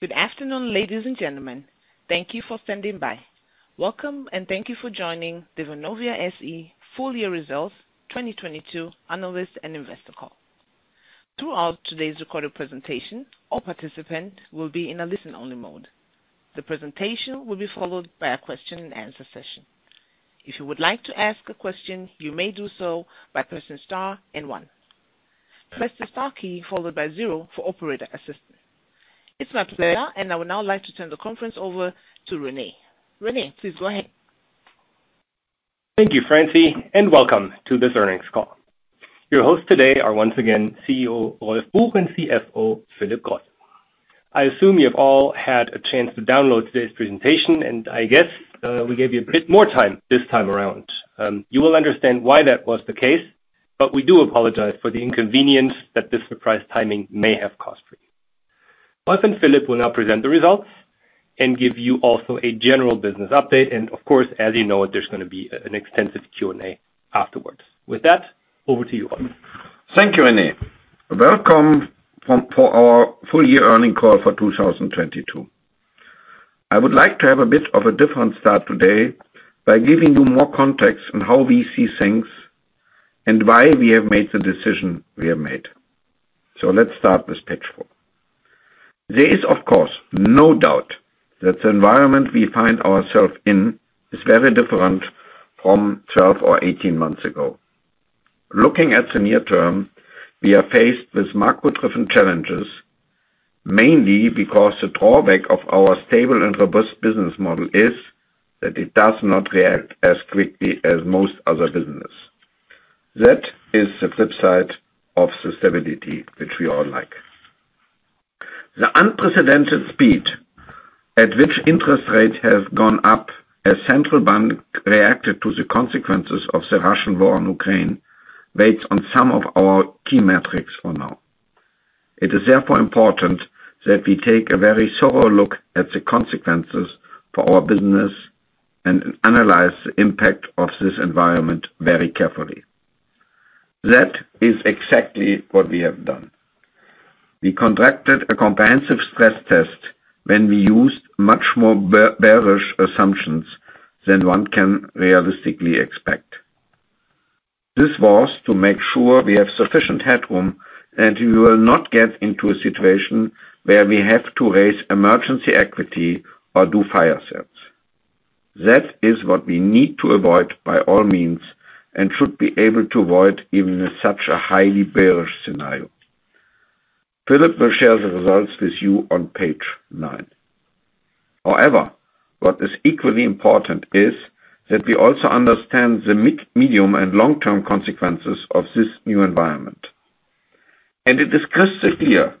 Good afternoon, ladies and gentlemen. Thank you for standing by. Welcome, and thank you for joining the Vonovia SE full year results 2022 analyst and investor call. Throughout today's recorded presentation, all participant will be in a listen-only mode. The presentation will be followed by a question-and-answer session. If you would like to ask a question, you may do so by pressing star and 1. Press the star key followed by 0 for operator assistance. It's my pleasure, and I would now like to turn the conference over to Rene. Rene, please go ahead. Thank you, Francine. Welcome to this earnings call. Your hosts today are once again CEO Rolf Buch and CFO Philip Grosse. I assume you have all had a chance to download today's presentation. I guess we gave you a bit more time this time around. You will understand why that was the case. We do apologize for the inconvenience that this surprise timing may have caused you. Rolf and Philip will now present the results and give you also a general business update. Of course, as you know, there's gonna be an extensive Q&A afterwards. With that, over to you, Rolf. Thank you, Rene. Welcome for our full year earnings call for 2022. I would like to have a bit of a different start today by giving you more context on how we see things and why we have made the decision we have made. Let's start with page 4. There is, of course, no doubt that the environment we find ourselves in is very different from 12 or 18 months ago. Looking at the near term, we are faced with macro-driven challenges, mainly because the drawback of our stable and robust business model is that it does not react as quickly as most other business. That is the flip side of the stability which we all like. The unprecedented speed at which interest rates have gone up as central bank reacted to the consequences of the Russian war on Ukraine weighs on some of our key metrics for now. It is therefore important that we take a very sober look at the consequences for our business and analyze the impact of this environment very carefully. That is exactly what we have done. We conducted a comprehensive stress test when we used much more bearish assumptions than one can realistically expect. This was to make sure we have sufficient headroom, and we will not get into a situation where we have to raise emergency equity or do fire sales. That is what we need to avoid by all means, and should be able to avoid even in such a highly bearish scenario. Philip will share the results with you on page nine. What is equally important is that we also understand the medium and long-term consequences of this new environment. It is crystal clear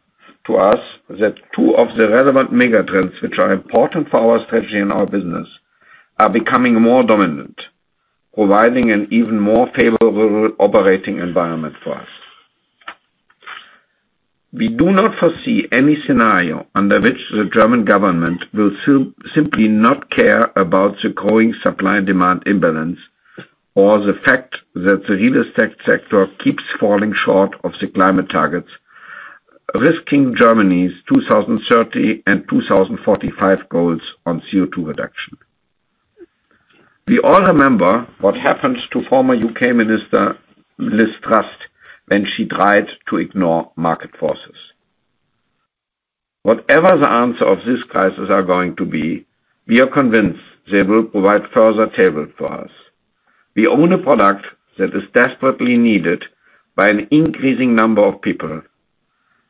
to us that two of the relevant megatrends, which are important for our strategy and our business, are becoming more dominant, providing an even more favorable operating environment for us. We do not foresee any scenario under which the German government will simply not care about the growing supply and demand imbalance or the fact that the real estate sector keeps falling short of the climate targets, risking Germany's 2030 and 2045 goals on CO2 reduction. We all remember what happened to former UK Minister Liz Truss when she tried to ignore market forces. Whatever the answer of this crisis are going to be, we are convinced they will provide further tailwind for us. We own a product that is desperately needed by an increasing number of people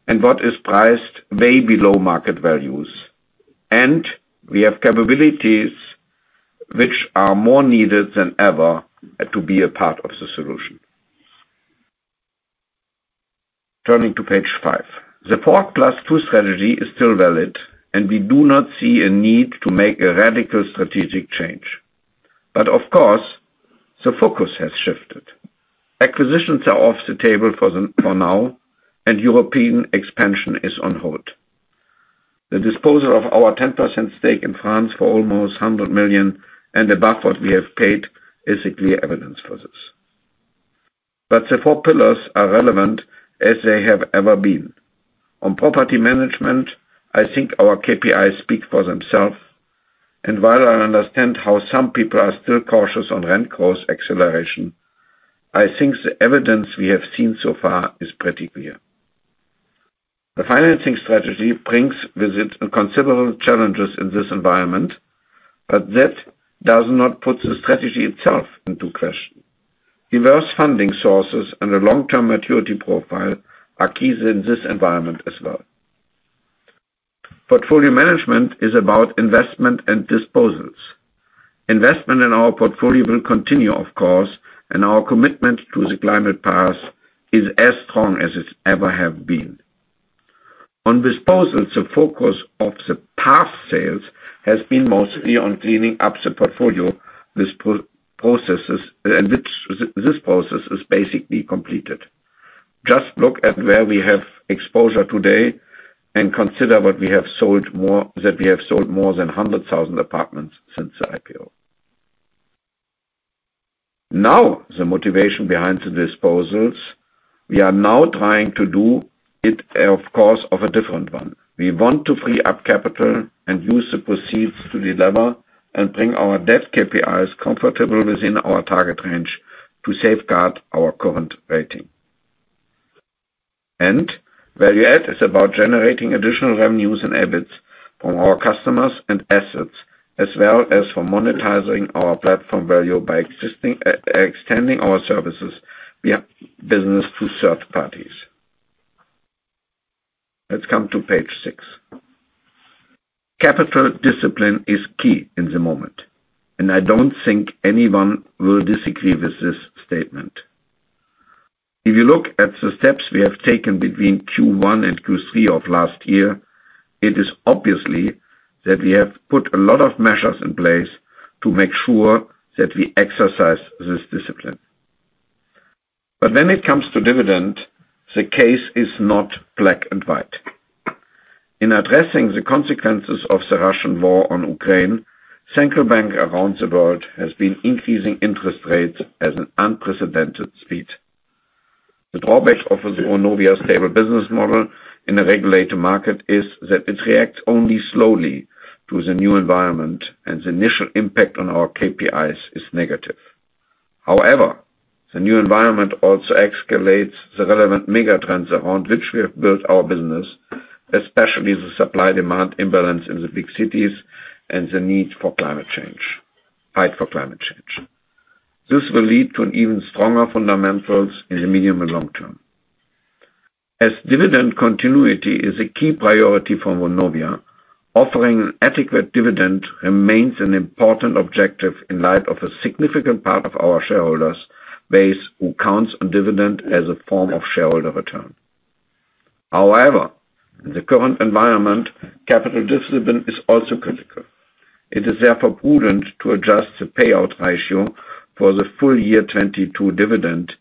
and what is priced way below market values. We have capabilities which are more needed than ever to be a part of the solution. Turning to page 5. The 4+2 strategy is still valid, and we do not see a need to make a radical strategic change. Of course, the focus has shifted. Acquisitions are off the table for now, and European expansion is on hold. The disposal of our 10% stake in France for almost 100 million and above what we have paid is clear evidence for this. The four pillars are relevant as they have ever been. On property management, I think our KPIs speak for themselves, and while I understand how some people are still cautious on rent growth acceleration, I think the evidence we have seen so far is pretty clear. The financing strategy brings with it considerable challenges in this environment, but that does not put the strategy itself into question. Diverse funding sources and a long-term maturity profile are keys in this environment as well. Portfolio management is about investment and disposals. Investment in our portfolio will continue, of course, and our commitment to the climate path is as strong as it ever have been. On disposals, the focus of the past sales has been mostly on cleaning up the portfolio. This process is basically completed. Just look at where we have exposure today and consider that we have sold more than 100,000 apartments since then. The motivation behind the disposals, we are now trying to do it, of course, of a different one. We want to free up capital and use the proceeds to delever and bring our debt KPIs comfortable within our target range to safeguard our current rating. Value add is about generating additional revenues and EBITs from our customers and assets, as well as for monetizing our platform value by extending our services via business to third parties. Let's come to page 6. Capital discipline is key in the moment, and I don't think anyone will disagree with this statement. If you look at the steps we have taken between Q1 and Q3 of last year, it is obviously that we have put a lot of measures in place to make sure that we exercise this discipline. When it comes to dividend, the case is not black and white. In addressing the consequences of the Russian war on Ukraine, central bank around the world has been increasing interest rates at an unprecedented speed. The drawback of the Vonovia stable business model in a regulated market is that it reacts only slowly to the new environment, and the initial impact on our KPIs is negative. The new environment also escalates the relevant megatrends around which we have built our business, especially the supply-demand imbalance in the big cities and the need for climate change. Fight for climate change. This will lead to an even stronger fundamentals in the medium and long term. As dividend continuity is a key priority for Vonovia, offering adequate dividend remains an important objective in light of a significant part of our shareholders base who counts on dividend as a form of shareholder return. In the current environment, capital discipline is also critical. It is therefore prudent to adjust the payout ratio for the full year 2022 dividend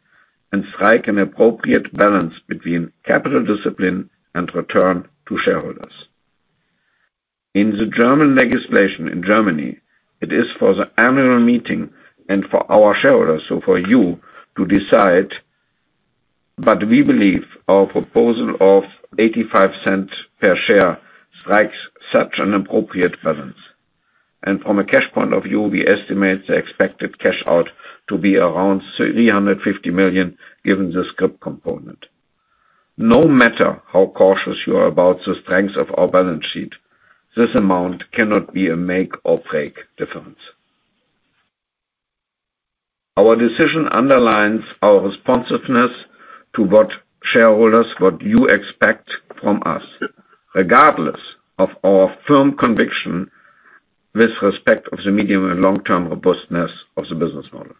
and strike an appropriate balance between capital discipline and return to shareholders. In the German legislation in Germany, it is for the annual meeting and for our shareholders, so for you to decide, but we believe our proposal of 0.85 per share strikes such an appropriate balance. From a cash point of view, we estimate the expected cash out to be around 350 million, given the scrip component. No matter how cautious you are about the strength of our balance sheet, this amount cannot be a make or break difference. Our decision underlines our responsiveness to what shareholders, what you expect from us, regardless of our firm conviction with respect of the medium and long-term robustness of the business model.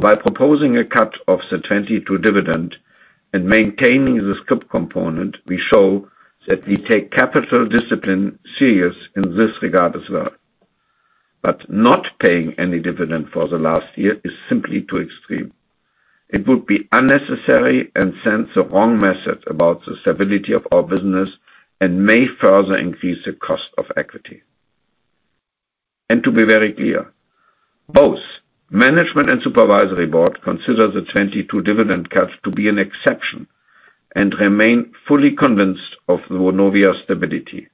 By proposing a cut of the 2022 dividend and maintaining the scrip component, we show that we take capital discipline serious in this regard as well. Not paying any dividend for the last year is simply too extreme. It would be unnecessary and send the wrong message about the stability of our business and may further increase the cost of equity. To be very clear, both management and supervisory board consider the 2022 dividend cut to be an exception and remain fully convinced of the Vonovia stability.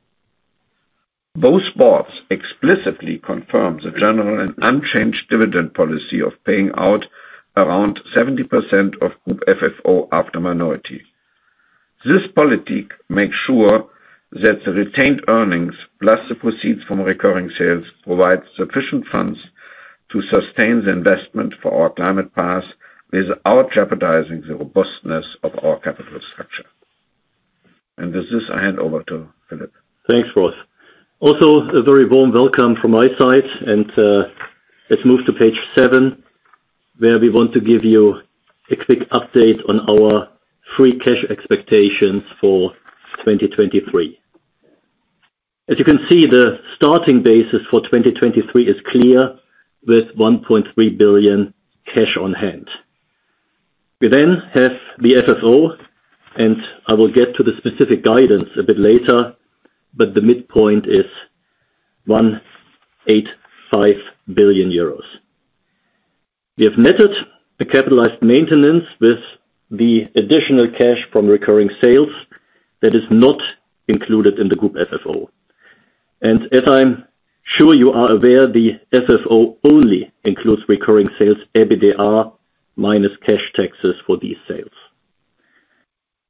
Both boards explicitly confirm the general and unchanged dividend policy of paying out around 70% of Group FFO after minority. This policy makes sure that the retained earnings, plus the proceeds from recurring sales, provide sufficient funds to sustain the investment for our climate path without jeopardizing the robustness of our capital structure. With this, I hand over to Philip. Thanks, Rolf. A very warm welcome from my side, and let's move to page 7, where we want to give you a quick update on our free cash expectations for 2023. As you can see, the starting basis for 2023 is clear, with 1.3 billion cash on hand. We then have the FFO, and I will get to the specific guidance a bit later, but the midpoint is 1.85 billion euros. We have netted the capitalized maintenance with the additional cash from recurring sales that is not included in the Group FFO. As I'm sure you are aware, the FFO only includes recurring sales, EBITDA, minus cash taxes for these sales.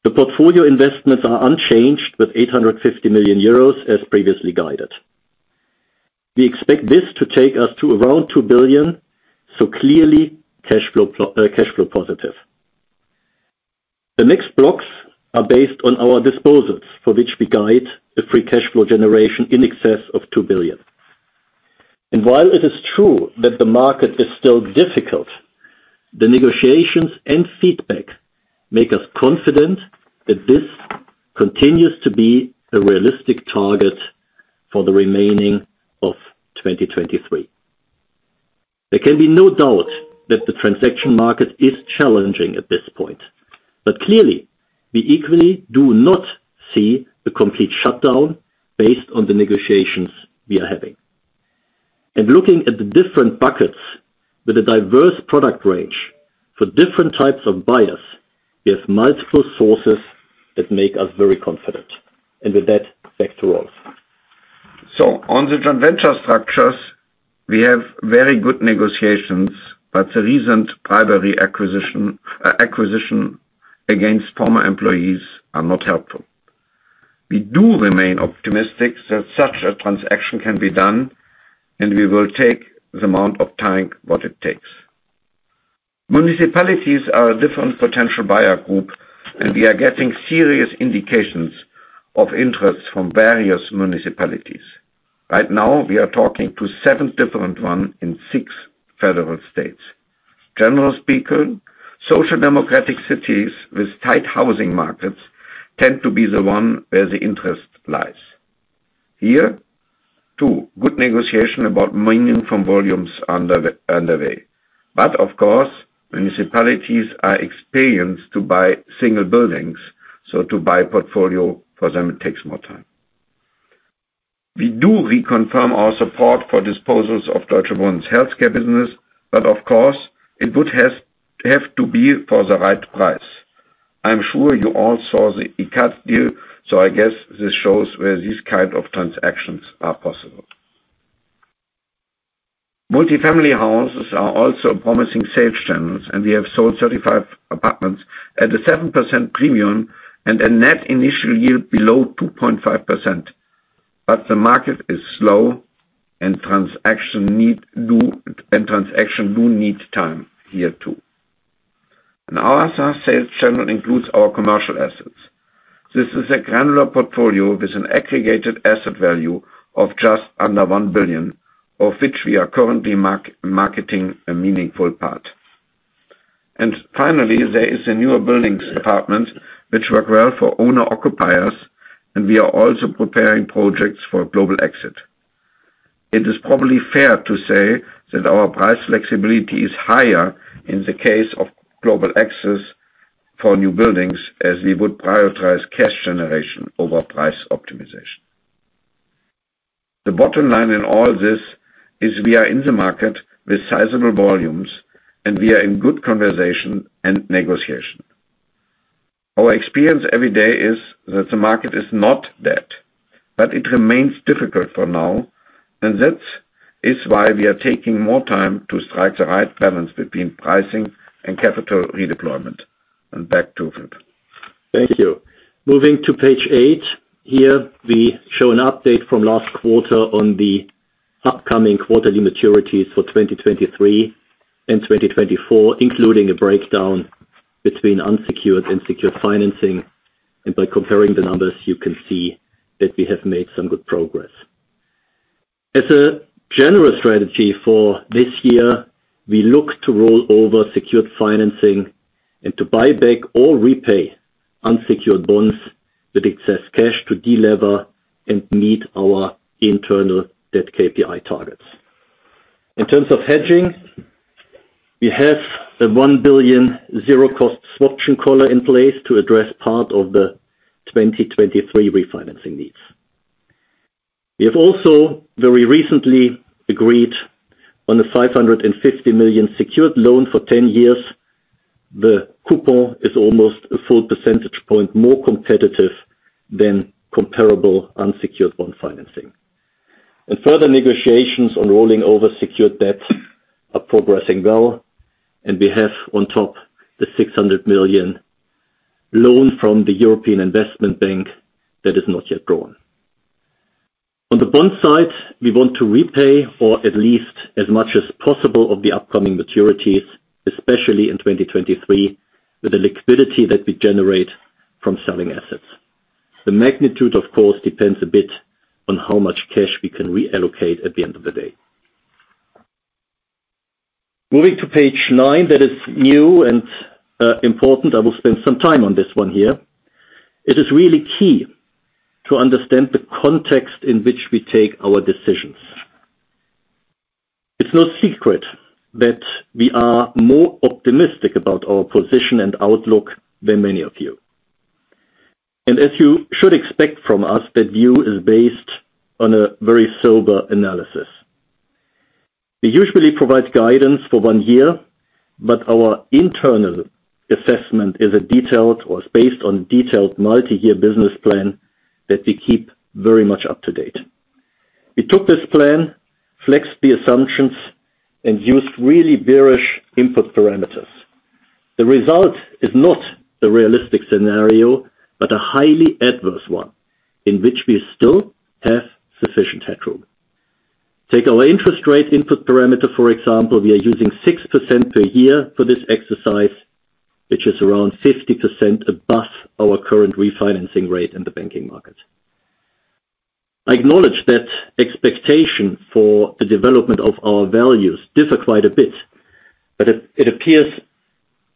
The portfolio investments are unchanged, with 850 million euros as previously guided. We expect this to take us to around 2 billion, so clearly cash flow positive. The next blocks are based on our disposals, for which we guide the free cash flow generation in excess of 2 billion. While it is true that the market is still difficult, the negotiations and feedback make us confident that this continues to be a realistic target for the remaining of 2023. There can be no doubt that the transaction market is challenging at this point. Clearly, we equally do not see a complete shutdown based on the negotiations we are having. Looking at the different buckets with a diverse product range for different types of buyers, we have multiple sources that make us very confident. With that, back to Rolf. On the joint venture structures, we have very good negotiations, but the recent primary acquisition against former employees are not helpful. We do remain optimistic that such a transaction can be done, and we will take the amount of time what it takes. Municipalities are a different potential buyer group, and we are getting serious indications of interest from various municipalities. Right now, we are talking to 7 different one in 6 federal states. General speaking, Social Democratic cities with tight housing markets tend to be the one where the interest lies. Here, 2 good negotiation about mining from volumes underway. Of course, municipalities are experienced to buy single buildings, so to buy portfolio for them, it takes more time. We do reconfirm our support for disposals of Deutsche Wohnen's health care business. Of course, it would have to be for the right price. I guess this shows where these kind of transactions are possible. Multifamily houses are also promising sales channels. We have sold 35 apartments at a 7% premium and a net initial yield below 2.5%. The market is slow and transaction do need time here too. Our sales channel includes our commercial assets. This is a granular portfolio with an aggregated asset value of just under 1 billion, of which we are currently marketing a meaningful part. Finally, there is the newer buildings department, which work well for owner-occupiers, and we are also preparing projects for a global exit. It is probably fair to say that our price flexibility is higher in the case of global exits for new buildings, as we would prioritize cash generation over price optimization. The bottom line in all this is we are in the market with sizable volumes, and we are in good conversation and negotiation. Our experience every day is that the market is not dead, but it remains difficult for now, and that is why we are taking more time to strike the right balance between pricing and capital redeployment. Back to Philip. Thank you. Moving to page eight. We show an update from last quarter on the upcoming quarterly maturities for 2023 and 2024, including a breakdown between unsecured and secured financing. By comparing the numbers, you can see that we have made some good progress. As a general strategy for this year, we look to roll over secured financing and to buy back or repay unsecured bonds with excess cash to delever and meet our internal debt KPI targets. In terms of hedging, we have a 1 billion zero cost swap option caller in place to address part of the 2023 refinancing needs. We have also very recently agreed on a 550 million secured loan for 10 years. The coupon is almost a full percentage point more competitive than comparable unsecured bond financing. Further negotiations on rolling over secured debts are progressing well, and we have on top the 600 million loan from the European Investment Bank that is not yet drawn. On the bond side, we want to repay for at least as much as possible of the upcoming maturities, especially in 2023, with the liquidity that we generate from selling assets. The magnitude, of course, depends a bit on how much cash we can reallocate at the end of the day. Moving to page nine. That is new and important. I will spend some time on this one here. It is really key to understand the context in which we take our decisions. It's no secret that we are more optimistic about our position and outlook than many of you. As you should expect from us, that view is based on a very sober analysis. We usually provide guidance for 1 year, but our internal assessment is based on detailed multi-year business plan that we keep very much up to date. We took this plan, flexed the assumptions, and used really bearish input parameters. The result is not a realistic scenario, but a highly adverse one in which we still have sufficient headroom. Take our interest rate input parameter, for example. We are using 6% per year for this exercise, which is around 50% above our current refinancing rate in the banking market. I acknowledge that expectation for the development of our values differ quite a bit, but it appears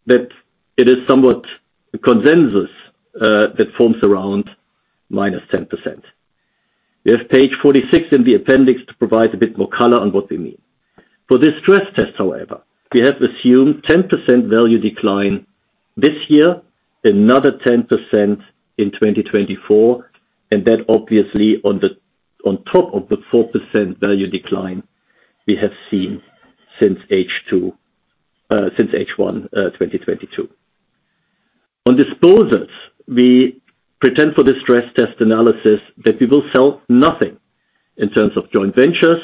that it is somewhat a consensus that forms around -10%. We have page 46 in the appendix to provide a bit more color on what we mean. For this stress test, however, we have assumed 10% value decline this year, another 10% in 2024, and that obviously on top of the 4% value decline we have seen since H1 2022. On disposals, we pretend for the stress test analysis that we will sell nothing in terms of joint ventures,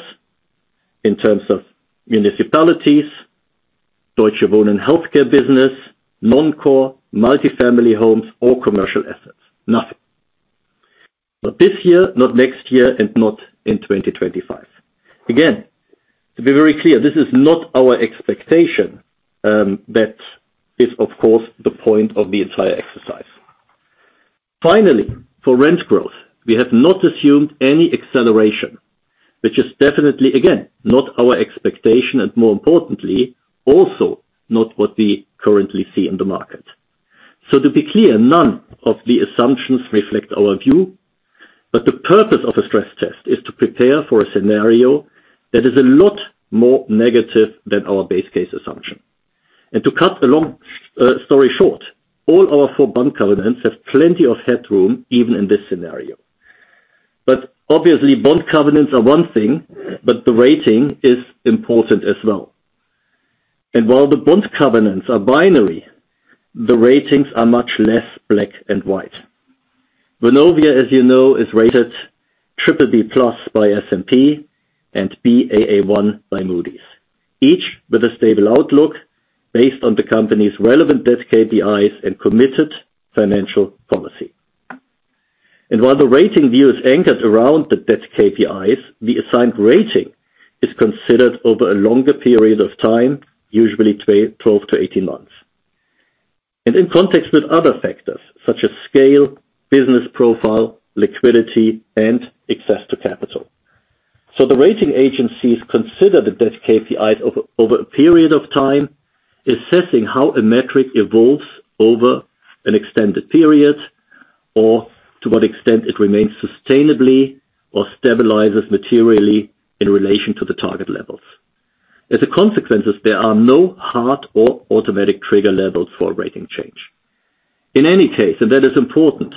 in terms of municipalities, Deutsche Wohnen healthcare business, non-core multifamily homes or commercial assets, nothing. Not this year, not next year, and not in 2025. Again, to be very clear, this is not our expectation, that is, of course, the point of the entire exercise. Finally, for rent growth, we have not assumed any acceleration, which is definitely, again, not our expectation and more importantly, also not what we currently see in the market. To be clear, none of the assumptions reflect our view, but the purpose of a stress test is to prepare for a scenario that is a lot more negative than our base case assumption. To cut a long, story short, all our four bond covenants have plenty of headroom, even in this scenario. Obviously bond covenants are one thing, but the rating is important as well. While the bond covenants are binary, the ratings are much less black and white. Vonovia, as you know, is rated BBB+ by S&P and Baa1 by Moody's. Each with a stable outlook based on the company's relevant debt KPIs and committed financial policy. While the rating view is anchored around the debt KPIs, the assigned rating is considered over a longer period of time, usually 12 to 18 months, and in context with other factors such as scale, business profile, liquidity, and access to capital. The rating agencies consider the debt KPIs over a period of time, assessing how a metric evolves over an extended period or to what extent it remains sustainably or stabilizes materially in relation to the target levels. As a consequences, there are no hard or automatic trigger levels for a rating change. In any case, and that is important,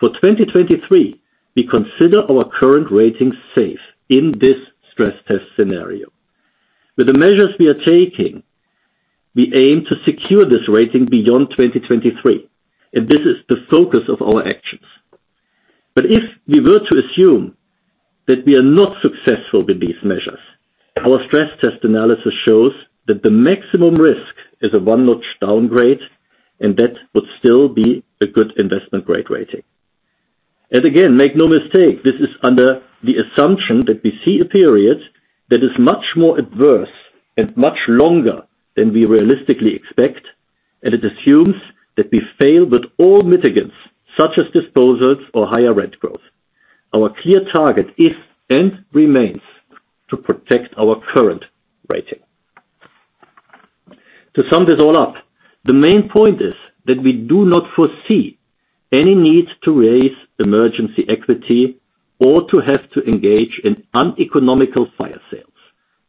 for 2023, we consider our current ratings safe in this stress test scenario. With the measures we are taking, we aim to secure this rating beyond 2023, and this is the focus of our actions. If we were to assume that we are not successful with these measures, our stress test analysis shows that the maximum risk is a one-notch downgrade, that would still be a good investment-grade rating. Again, make no mistake, this is under the assumption that we see a period that is much more adverse and much longer than we realistically expect, and it assumes that we fail with all mitigants, such as disposals or higher rent growth. Our clear target is and remains to protect our current rating. To sum this all up, the main point is that we do not foresee any need to raise emergency equity or to have to engage in uneconomical fire sales,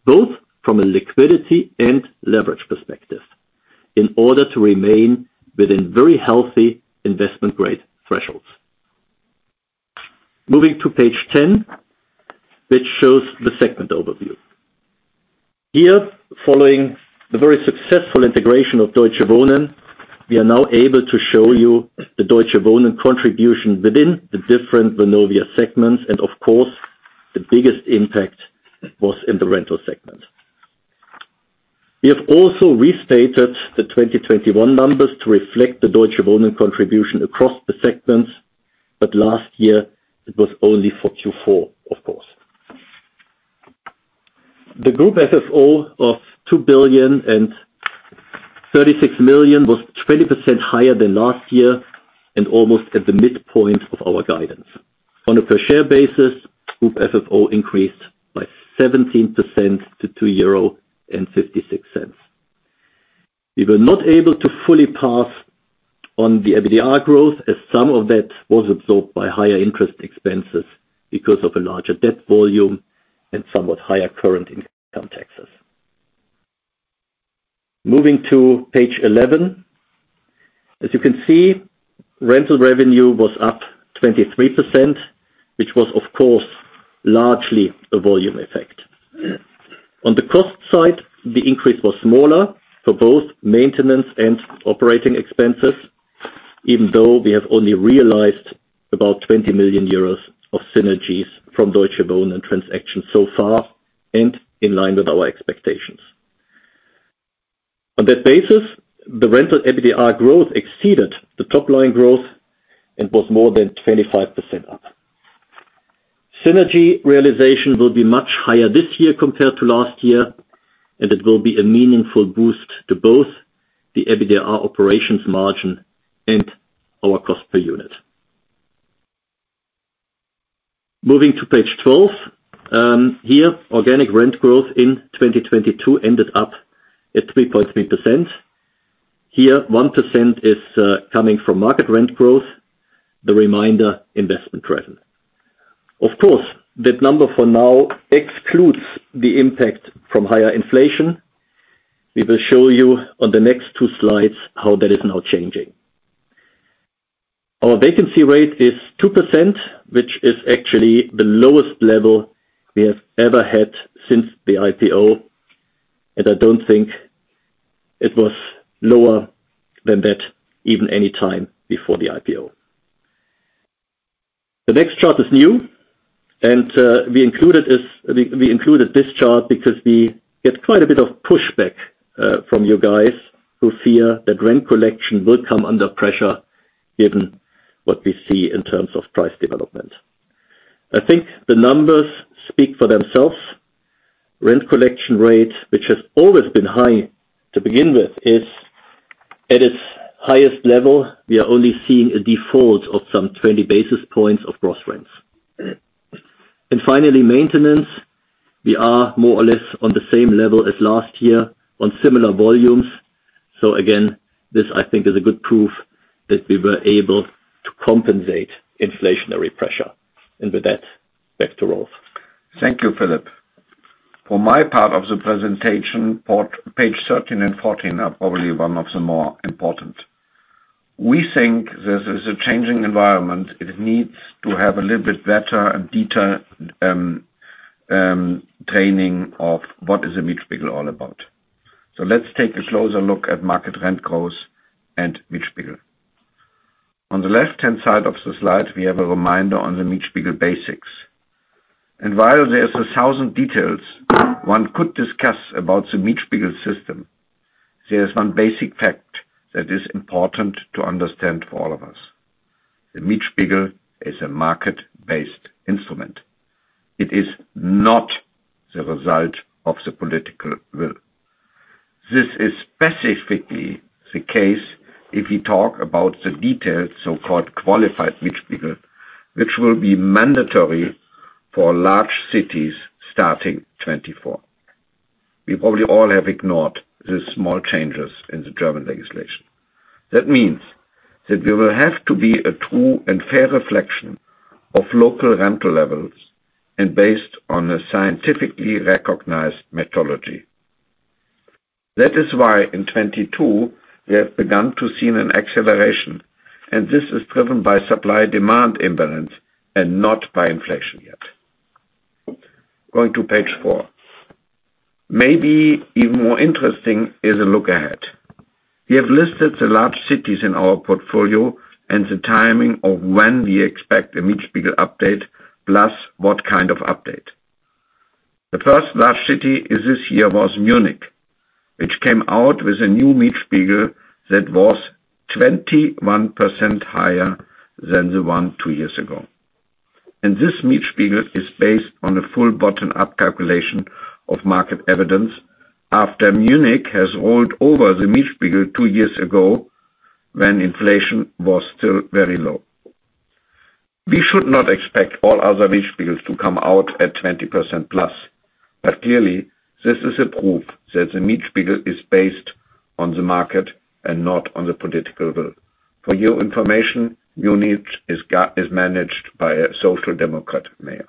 both from a liquidity and leverage perspective, in order to remain within very healthy investment-grade thresholds. Moving to page 10, which shows the segment overview. Here, following the very successful integration of Deutsche Wohnen, we are now able to show you the Deutsche Wohnen contribution within the different Vonovia segments. Of course, the biggest impact was in the rental segment. We have also restated the 2021 numbers to reflect the Deutsche Wohnen contribution across the segments, but last year it was only for Q4, of course. The Group FFO of 2.036 billion was 20% higher than last year and almost at the midpoint of our guidance. On a per share basis, Group FFO increased by 17% to 2.56 euro. We were not able to fully pass on the EBITDA growth as some of that was absorbed by higher interest expenses because of a larger debt volume and somewhat higher current income taxes. Moving to page 11. As you can see, rental revenue was up 23%, which was of course largely a volume effect. On the cost side, the increase was smaller for both maintenance and operating expenses, even though we have only realized about 20 million euros of synergies from Deutsche Wohnen transaction so far and in line with our expectations. On that basis, the rental EBITDA growth exceeded the top line growth and was more than 25% up. Synergy realization will be much higher this year compared to last year, and it will be a meaningful boost to both the EBITDA operations margin and our cost per unit. Moving to page 12. Here, organic rent growth in 2022 ended up at 3.3%. Here, 1% is coming from market rent growth, the remainder investment present. Of course, that number for now excludes the impact from higher inflation. We will show you on the next 2 slides how that is now changing. Our vacancy rate is 2%, which is actually the lowest level we have ever had since the IPO. I don't think it was lower than that even any time before the IPO. The next chart is new. We included this chart because we get quite a bit of pushback from you guys who fear that rent collection will come under pressure given what we see in terms of price development. I think the numbers speak for themselves. Rent collection rate, which has always been high to begin with, is at its highest level. We are only seeing a default of some 20 basis points of gross rents. Finally, maintenance. We are more or less on the same level as last year on similar volumes. Again, this I think is a good proof that we were able to compensate inflationary pressure. With that, back to Rolf. Thank you, Philip. For my part of the presentation, page 13 and 14 are probably one of the more important. We think this is a changing environment. It needs to have a little bit better and detailed training of what is a Mietspiegel all about. Let's take a closer look at market rent growth and Mietspiegel. On the left-hand side of the slide, we have a reminder on the Mietspiegel basics. While there's 1,000 details one could discuss about the Mietspiegel system, there's one basic fact that is important to understand for all of us. The Mietspiegel is a market-based instrument. It is not the result of the political will. This is specifically the case if we talk about the detailed, so-called qualified Mietspiegel, which will be mandatory for large cities starting 2024. We probably all have ignored the small changes in the German legislation. That means that there will have to be a true and fair reflection of local rental levels and based on a scientifically recognized methodology. That is why in 2022 we have begun to see an acceleration, this is driven by supply-demand imbalance and not by inflation yet. Going to page four. Maybe even more interesting is a look ahead. We have listed the large cities in our portfolio and the timing of when we expect a Mietspiegel update, plus what kind of update. The first large city this year was Munich, which came out with a new Mietspiegel that was 21% higher than the one 2 years ago. This Mietspiegel is based on a full bottom-up calculation of market evidence after Munich has rolled over the Mietspiegel 2 years ago, when inflation was still very low. We should not expect all other Mietspiegels to come out at 20% plus. Clearly, this is a proof that the Mietspiegel is based on the market and not on the political will. For your information, Munich is managed by a Social Democratic mayor.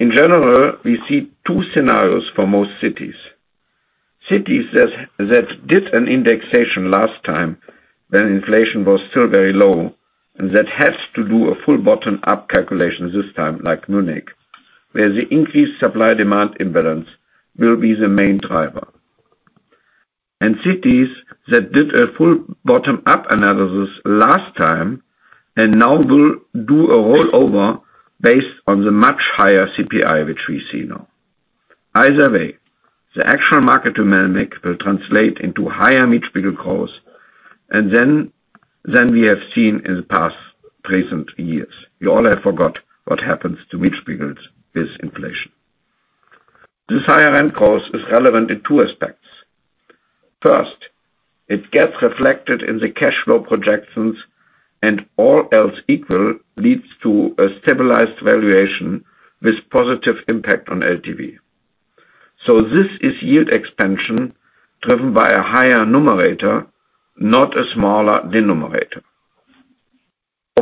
In general, we see 2 scenarios for most cities. Cities that did an indexation last time when inflation was still very low, and that has to do a full bottom-up calculation this time, like Munich, where the increased supply-demand imbalance will be the main driver. Cities that did a full bottom-up analysis last time and now will do a rollover based on the much higher CPI, which we see now. Either way, the actual market dynamic will translate into higher Mietspiegel growth than we have seen in the past recent years. You all have forgot what happens to Mietspiegels with inflation. This higher end growth is relevant in two aspects. First, it gets reflected in the cash flow projections and all else equal leads to a stabilized valuation with positive impact on LTV. This is yield expansion driven by a higher numerator, not a smaller denominator.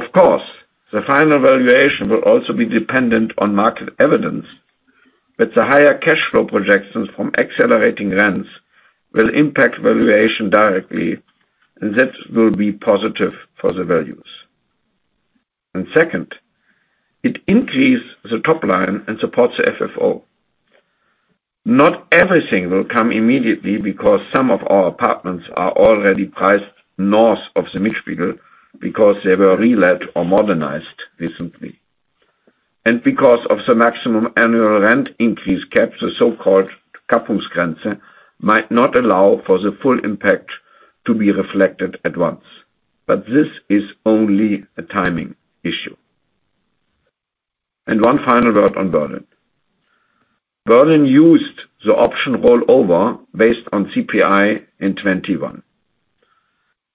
Of course, the final valuation will also be dependent on market evidence, the higher cash flow projections from accelerating rents will impact valuation directly, and that will be positive for the values. Second, it increase the top line and supports the FFO. Not everything will come immediately because some of our apartments are already priced north of the Mietspiegel because they were relet or modernized recently. Because of the maximum annual rent increase caps, the so-called Kappungsgrenze, might not allow for the full impact to be reflected at once. This is only a timing issue. One final word on Berlin. Berlin used the option rollover based on CPI in 2021.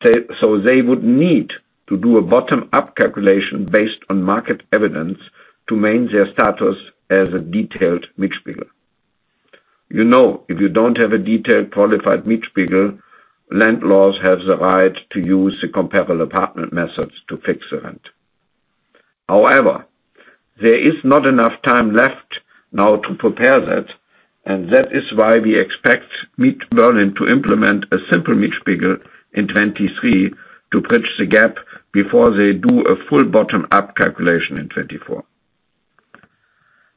They would need to do a bottom up calculation based on market evidence to maintain their status as a detailed Mietspiegel. You know, if you don't have a detailed qualified Mietspiegel, landlords have the right to use the comparable apartment methods to fix the rent. However, there is not enough time left now to prepare that, and that is why we expect Senat Berlin to implement a simple Mietspiegel in 2023 to bridge the gap before they do a full bottom up calculation in 2024.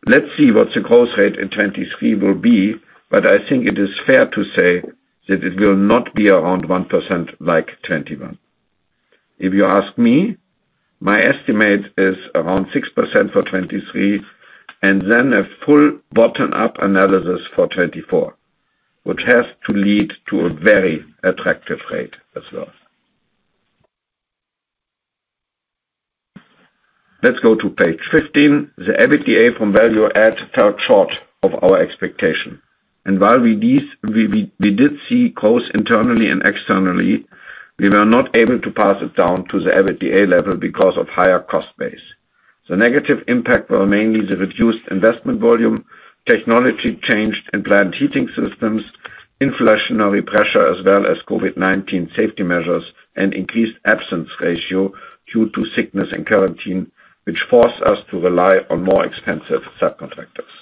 Let's see what the growth rate in 23 will be. I think it is fair to say that it will not be around 1% like 2021. If you ask me, my estimate is around 6% for 23 and then a full bottom up analysis for 24, which has to lead to a very attractive rate as well. Let's go to page 15. The EBITDA from value add fell short of our expectation. While we did see growth internally and externally, we were not able to pass it down to the EBITDA level because of higher cost base. The negative impact were mainly the reduced investment volume, technology change in plant heating systems, inflationary pressure, as well as COVID-19 safety measures and increased absence ratio due to sickness and quarantine, which forced us to rely on more expensive subcontractors.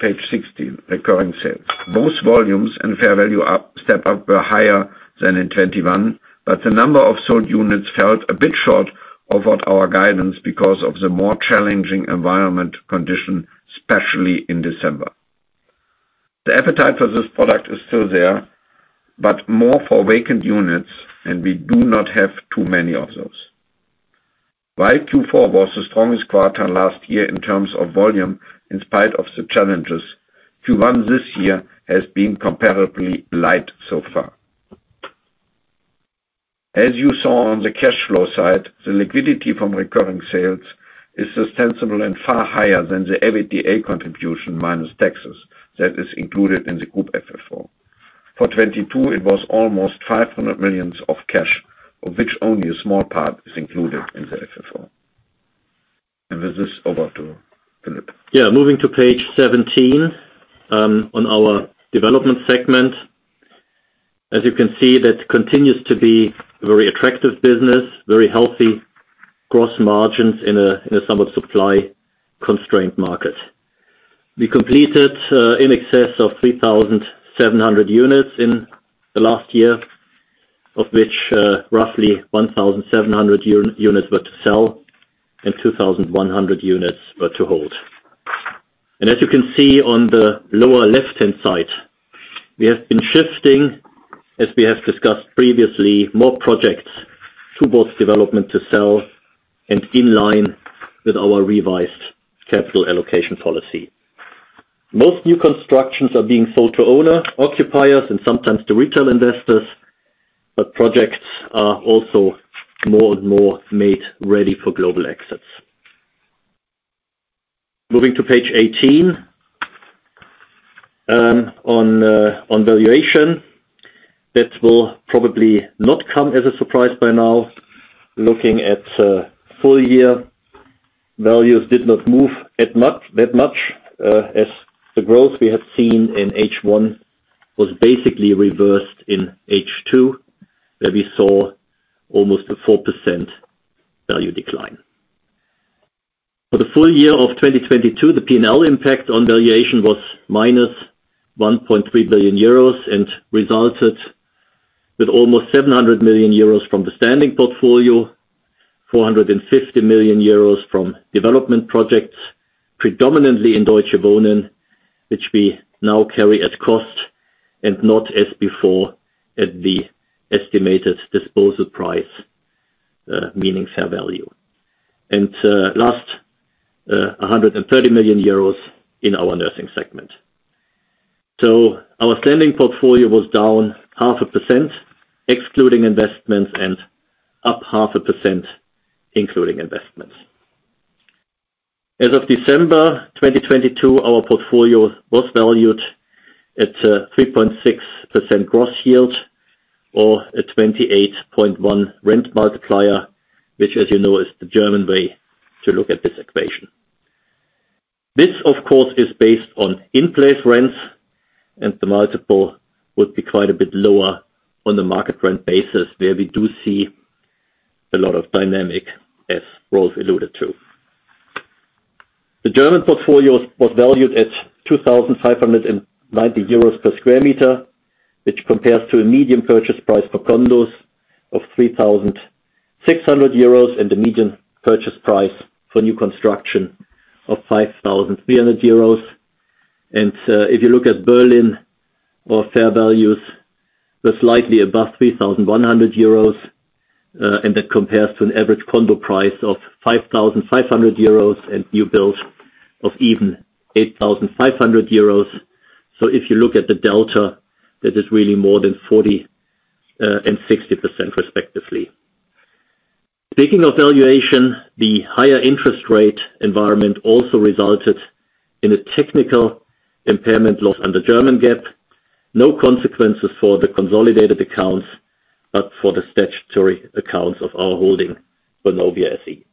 Page 16, recurring sales. Both volumes and fair value up, step up were higher than in 2021, the number of sold units fell a bit short of what our guidance because of the more challenging environment condition, especially in December. The appetite for this product is still there, more for vacant units, we do not have too many of those. While Q4 was the strongest quarter last year in terms of volume, in spite of the challenges, Q1 this year has been comparably light so far. As you saw on the cash flow side, the liquidity from recurring sales is sustainable and far higher than the EBITDA contribution minus taxes that is included in the Group FFO. For 2022, it was almost 500 million of cash, of which only a small part is included in the FFO. With this, over to Philip. Yeah. Moving to page 17, on our development segment. As you can see, that continues to be very attractive business, very healthy gross margins in a somewhat supply constrained market. We completed in excess of 3,700 units in the last year, of which roughly 1,700 units were to sell and 2,100 units were to hold. As you can see on the lower left-hand side, we have been shifting, as we have discussed previously, more projects to both development to sell and in line with our revised capital allocation policy. Most new constructions are being sold to owner, occupiers and sometimes to retail investors, but projects are also more and more made ready for global exits. Moving to page 18, on valuation. That will probably not come as a surprise by now. Looking at, full year values did not move that much, as the growth we have seen in H1 was basically reversed in H2, where we saw almost a 4% value decline. For the full year of 2022, the P&L impact on valuation was minus 1.3 billion euros and resulted with almost 700 million euros from the standing portfolio, 450 million euros from development projects, predominantly in Deutsche Wohnen, which we now carry at cost and not as before at the estimated disposal price, meaning fair value. Last, 130 million euros in our nursing segment. So our standing portfolio was down half a percent, excluding investments, and up 0.5%, including investments. As of December 2022, our portfolio was valued at a 3.6% gross yield or a 28.1 rent multiplier, which as you know, is the German way to look at this equation. This, of course, is based on in-place rents, and the multiple would be quite a bit lower on the market rent basis, where we do see a lot of dynamic, as Rolf alluded to. The German portfolio was valued at 2,590 euros per square meter, which compares to a median purchase price for condos of 3,600 euros and a median purchase price for new construction of 5,300 euros. If you look at Berlin, our fair values were slightly above 3,100 euros, and that compares to an average condo price of 5,500 euros and new builds of even 8,500 euros. If you look at the delta, that is really more than 40% and 60% respectively. Speaking of valuation, the higher interest rate environment also resulted in a technical impairment loss under German GAAP. No consequences for the consolidated accounts, but for the statutory accounts of our holding, Vonovia SE.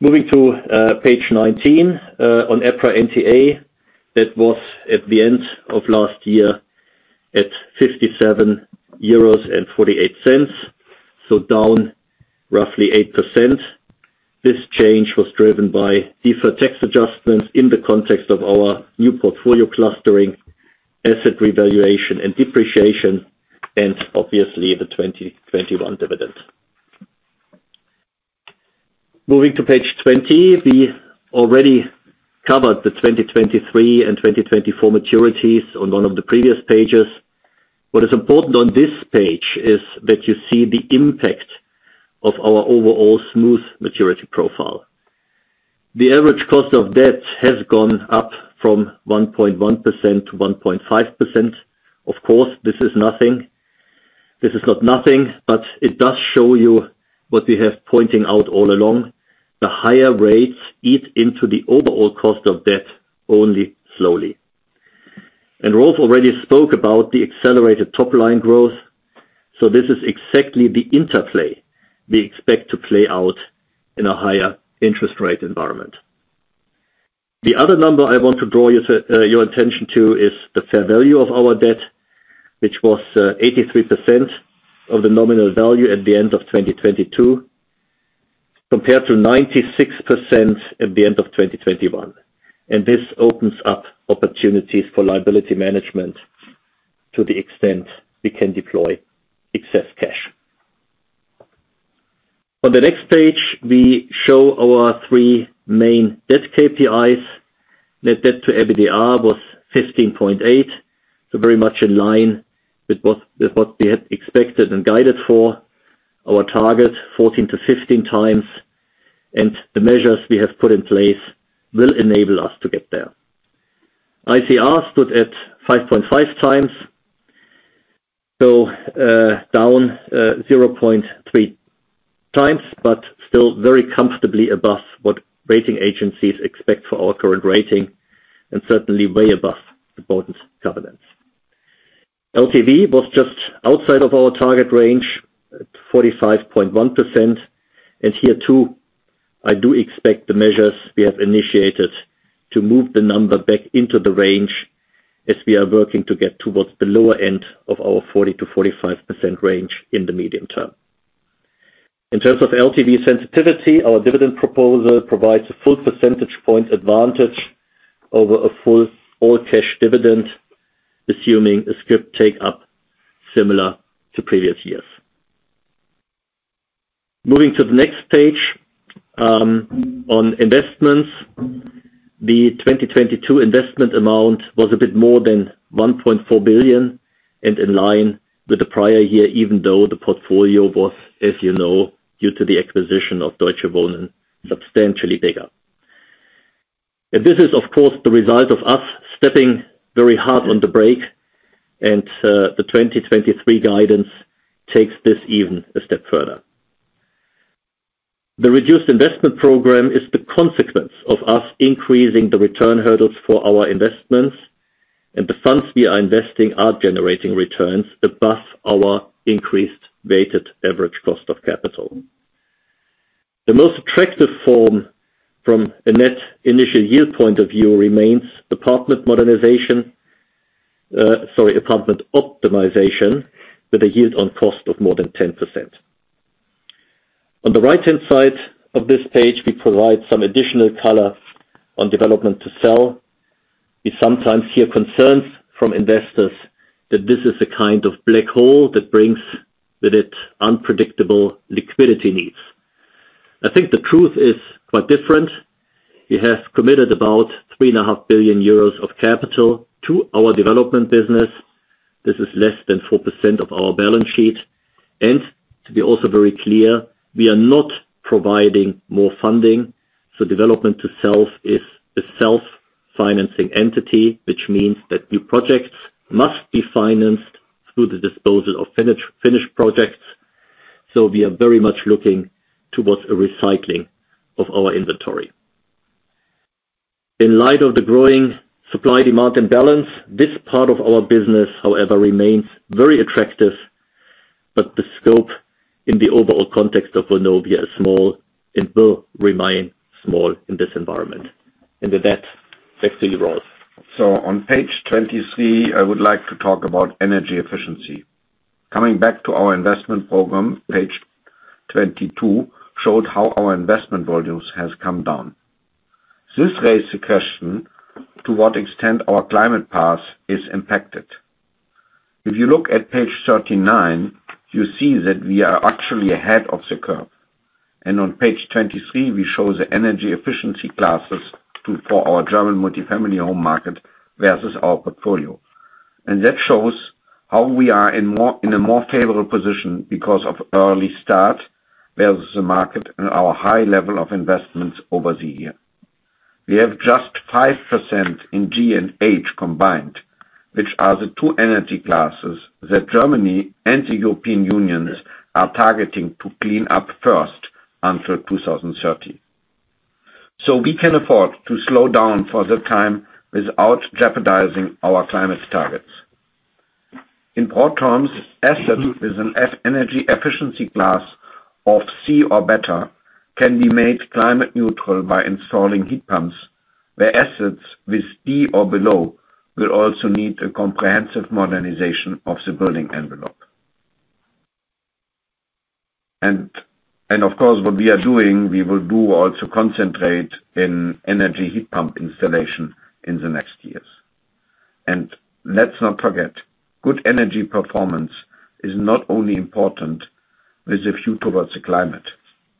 Moving to page 19 on EPRA NTA, that was at the end of last year at 57.48 euros, so down roughly 8%. This change was driven by deferred tax adjustments in the context of our new portfolio clustering, asset revaluation and depreciation, and obviously the 2021 dividend. Moving to page 20, we already covered the 2023 and 2024 maturities on one of the previous pages. What is important on this page is that you see the impact of our overall smooth maturity profile. The average cost of debt has gone up from 1.1% to 1.5%. Of course, this is nothing. This is not nothing, but it does show you what we have pointing out all along. The higher rates eat into the overall cost of debt only slowly. Rolf already spoke about the accelerated top-line growth. This is exactly the interplay we expect to play out in a higher interest rate environment. The other number I want to draw your attention to is the fair value of our debt, which was 83% of the nominal value at the end of 2022, compared to 96% at the end of 2021. This opens up opportunities for liability management to the extent we can deploy excess cash. On the next page, we show our three main debt KPIs. Net debt to EBITDA was 15.8, so very much in line with what we had expected and guided for. Our target, 14x to 15x, and the measures we have put in place will enable us to get there. ICR stood at 5.5x, so, down 0.3x, but still very comfortably above what rating agencies expect for our current rating, and certainly way above the bond's covenants. LTV was just outside of our target range at 45.1%. Here too, I do expect the measures we have initiated to move the number back into the range as we are working to get towards the lower end of our 40%-45% range in the medium term. In terms of LTV sensitivity, our dividend proposal provides a 1 percentage point advantage over a full all-cash dividend, assuming a scrip take up similar to previous years. Moving to the next page, on investments. The 2022 investment amount was a bit more than 1.4 billion and in line with the prior year, even though the portfolio was, as you know, due to the acquisition of Deutsche Wohnen, substantially bigger. This is of course, the result of us stepping very hard on the brake, the 2023 guidance takes this even a step further. The reduced investment program is the consequence of us increasing the return hurdles for our investments. The funds we are investing are generating returns above our increased weighted average cost of capital. The most attractive form from a net initial yield point of view remains apartment modernization. Sorry, apartment optimization with a yield on cost of more than 10%. On the right-hand side of this page, we provide some additional color on development to sell. We sometimes hear concerns from investors that this is a kind of black hole that brings with it unpredictable liquidity needs. I think the truth is quite different. We have committed about 3.5 billion euros of capital to our development business. This is less than 4% of our balance sheet. To be also very clear, we are not providing more funding. Development to sell is a self-financing entity, which means that new projects must be financed through the disposal of finished projects. We are very much looking towards a recycling of our inventory. In light of the growing supply-demand imbalance, this part of our business, however, remains very attractive, but the scope in the overall context of Vonovia is small and will remain small in this environment. With that, back to you, Rolf. On page 23, I would like to talk about energy efficiency. Coming back to our investment program, page 22 showed how our investment volumes has come down. This raised the question to what extent our climate path is impacted. If you look at page 39, you see that we are actually ahead of the curve. On page 23, we show the energy efficiency classes for our German multifamily home market versus our portfolio. That shows how we are in a more favorable position because of early start versus the market and our high level of investments over the year. We have just 5% in G and H combined, which are the two energy classes that Germany and the European Union are targeting to clean up first until 2030. We can afford to slow down for the time without jeopardizing our climate targets. In broad terms, assets with an energy efficiency Class C or better can be made climate neutral by installing heat pumps, where assets with D or below will also need a comprehensive modernization of the building envelope. Of course, what we are doing, we will also concentrate in energy heat pump installation in the next years. Let's not forget, good energy performance is not only important with a view towards the climate.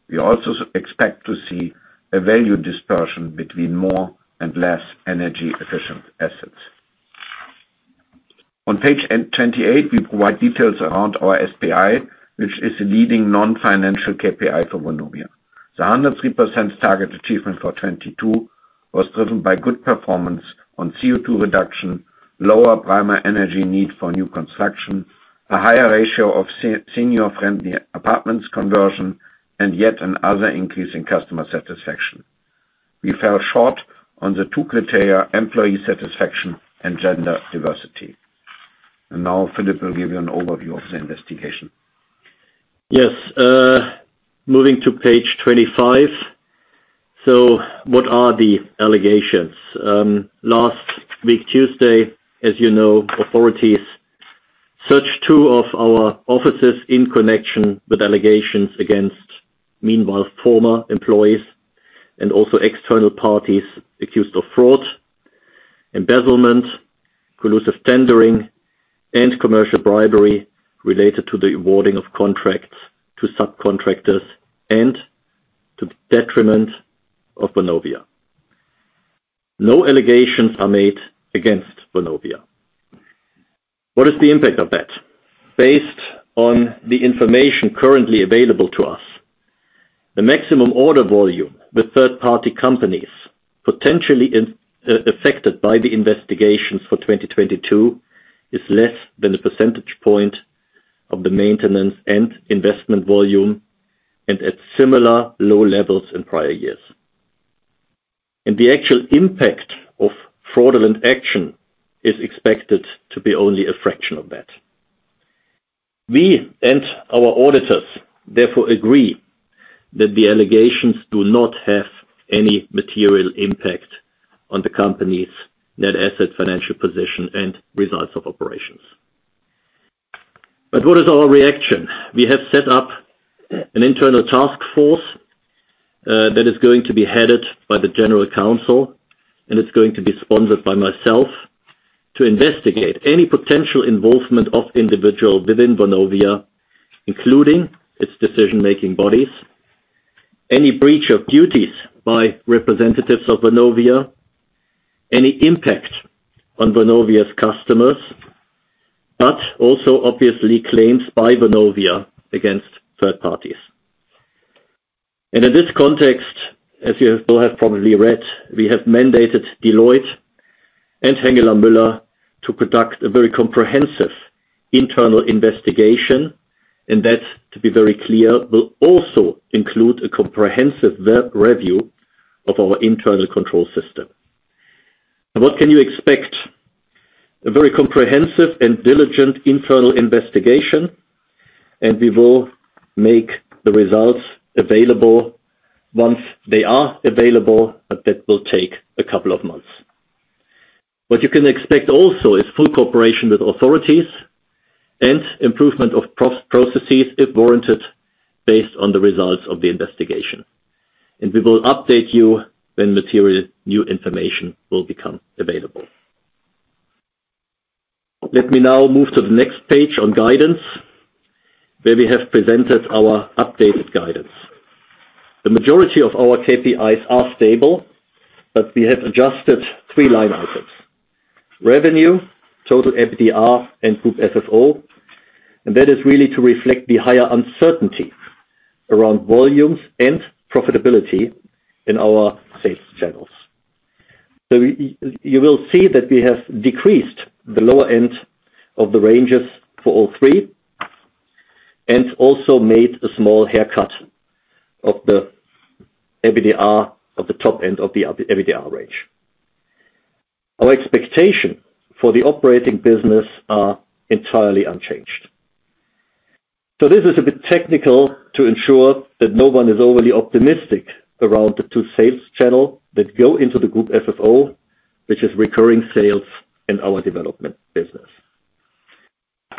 We also expect to see a value dispersion between more and less energy efficient assets. On page 28, we provide details around our SPI, which is the leading non-financial KPI for Vonovia. The 103% target achievement for 2022 was driven by good performance on CO₂ reduction, lower primary energy need for new construction, a higher ratio of senior friendly apartments conversion, and yet another increase in customer satisfaction. We fell short on the 2 criteria, employee satisfaction and gender diversity. Now Philip will give you an overview of the investigation. Yes, moving to page 25. What are the allegations? Last week, Tuesday, as you know, authorities searched two of our offices in connection with allegations against meanwhile former employees and also external parties accused of fraud, embezzlement, collusive tendering, and commercial bribery related to the awarding of contracts to subcontractors and to the detriment of Vonovia. No allegations are made against Vonovia. What is the impact of that? Based on the information currently available to us, the maximum order volume with third-party companies potentially affected by the investigations for 2022 is less than a percentage point of the maintenance and investment volume and at similar low levels in prior years. The actual impact of fraudulent action is expected to be only a fraction of that. We and our auditors therefore agree that the allegations do not have any material impact on the company's net asset financial position and results of operations. What is our reaction? We have set up an internal task force, that is going to be headed by the general counsel, and it's going to be sponsored by myself to investigate any potential involvement of individual within Vonovia, including its decision-making bodies. Any breach of duties by representatives of Vonovia, any impact on Vonovia's customers, but also obviously claims by Vonovia against third parties. In this context, as you have all have probably read, we have mandated Deloitte and Hengeler Mueller to conduct a very comprehensive internal investigation, and that, to be very clear, will also include a comprehensive we-review of our internal control system. What can you expect? A very comprehensive and diligent internal investigation, and we will make the results available once they are available, but that will take 2 months. What you can expect also is full cooperation with authorities and improvement of processes if warranted based on the results of the investigation. We will update you when material new information will become available. Let me now move to the next page on guidance, where we have presented our updated guidance. The majority of our KPIs are stable, but we have adjusted 3 line items, revenue, total EBITDA and Group FFO, and that is really to reflect the higher uncertainty around volumes and profitability in our sales channels. You will see that we have decreased the lower end of the ranges for all 3 and also made a small haircut of the EBITDA of the top end of the EBITDA range. Our expectation for the operating business are entirely unchanged. This is a bit technical to ensure that no one is overly optimistic around the 2 sales channel that go into the Group FFO, which is recurring sales in our development business.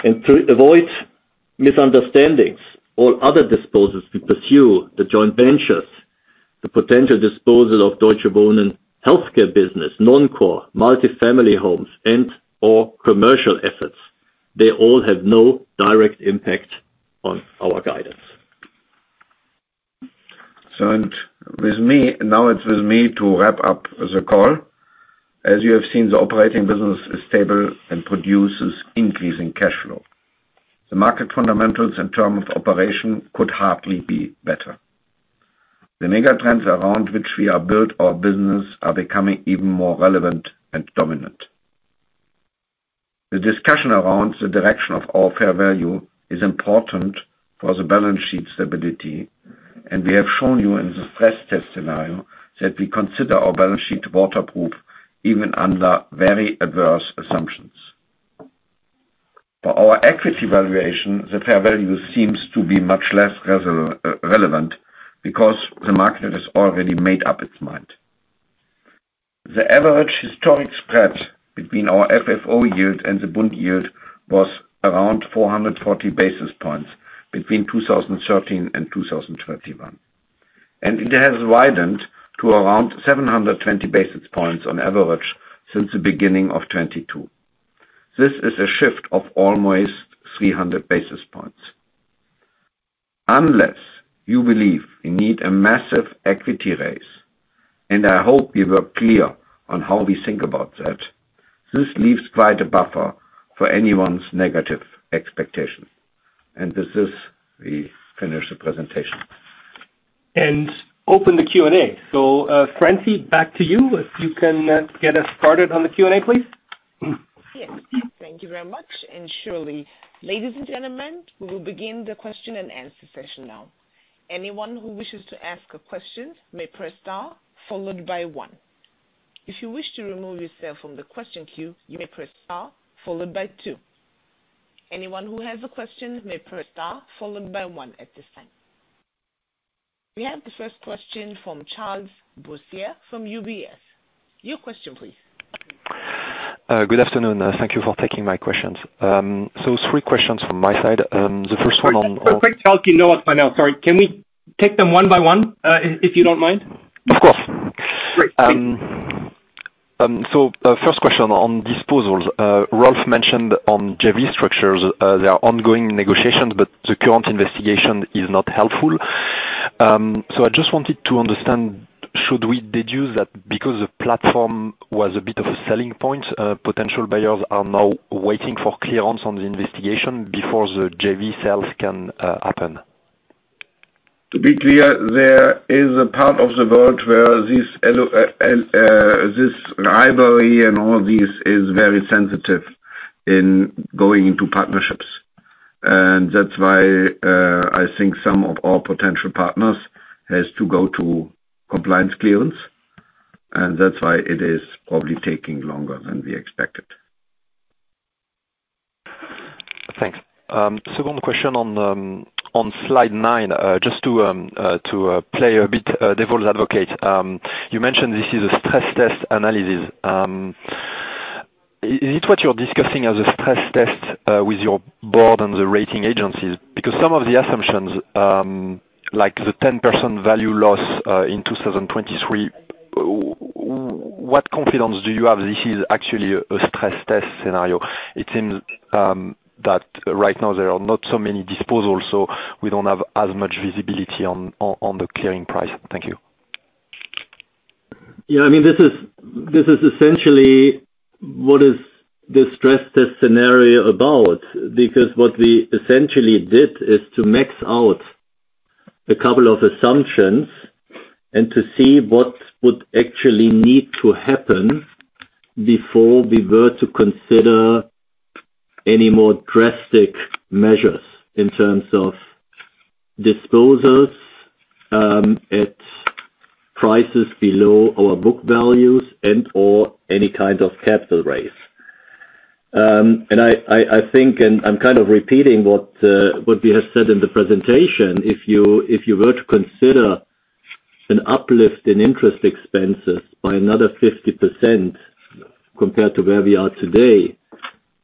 To avoid misunderstandings or other disposals to pursue the joint ventures, the potential disposal of Deutsche Wohnen healthcare business, non-core, multi-family homes and/or commercial assets, they all have no direct impact on our guidance. Now it's with me to wrap up the call. As you have seen, the operating business is stable and produces increasing cash flow. The market fundamentals in terms of operation could hardly be better. The megatrends around which we have built our business are becoming even more relevant and dominant. The discussion around the direction of our fair value is important for the balance sheet stability. We have shown you in the stress test scenario that we consider our balance sheet waterproof even under very adverse assumptions. For our equity valuation, the fair value seems to be much less relevant because the market has already made up its mind. The average historic spread between our FFO yield and the bond yield was around 440 basis points between 2013 and 2021. It has widened to around 720 basis points on average since the beginning of 2022. This is a shift of almost 300 basis points. Unless you believe we need a massive equity raise, I hope we were clear on how we think about that, this leaves quite a buffer for anyone's negative expectation. This is, we finish the presentation. Open the Q&A. Francine, back to you, if you can get us started on the Q&A, please. Yes, thank you very much. Surely. Ladies and gentlemen, we will begin the question-and-answer session now. Anyone who wishes to ask a question may press star followed by one. If you wish to remove yourself from the question queue, you may press star followed by two. Anyone who has a question may press star followed by one at this time. We have the first question from Charles Boissier from UBS. Your question, please. Good afternoon. Thank you for taking my questions. Three questions from my side. The first one. Quick, Charles, you know us by now. Sorry. Can we take them one by one, if you don't mind? Of course. Great. Please. First question on disposals. Rolf mentioned on JV structures, there are ongoing negotiations, but the current investigation is not helpful. I just wanted to understand, should we deduce that because the platform was a bit of a selling point, potential buyers are now waiting for clearance on the investigation before the JV sales can happen? To be clear, there is a part of the world where this rivalry and all this is very sensitive in going into partnerships. That's why, I think some of our potential partners has to go to compliance clearance. That's why it is probably taking longer than we expected. Thanks. Second question on slide nine. Just to play a bit devil's advocate. You mentioned this is a stress test analysis. Is it what you're discussing as a stress test with your board and the rating agencies? Some of the assumptions like the 10% value loss in 2023, what confidence do you have this is actually a stress test scenario? It seems that right now there are not so many disposals, so we don't have as much visibility on the clearing price. Thank you. I mean, this is essentially what is the stress test scenario about. What we essentially did is to max out a couple of assumptions and to see what would actually need to happen before we were to consider any more drastic measures in terms of disposals, at prices below our book values and/or any kind of capital raise. I think, and I'm kind of repeating what we have said in the presentation, if you were to consider an uplift in interest expenses by another 50% compared to where we are today,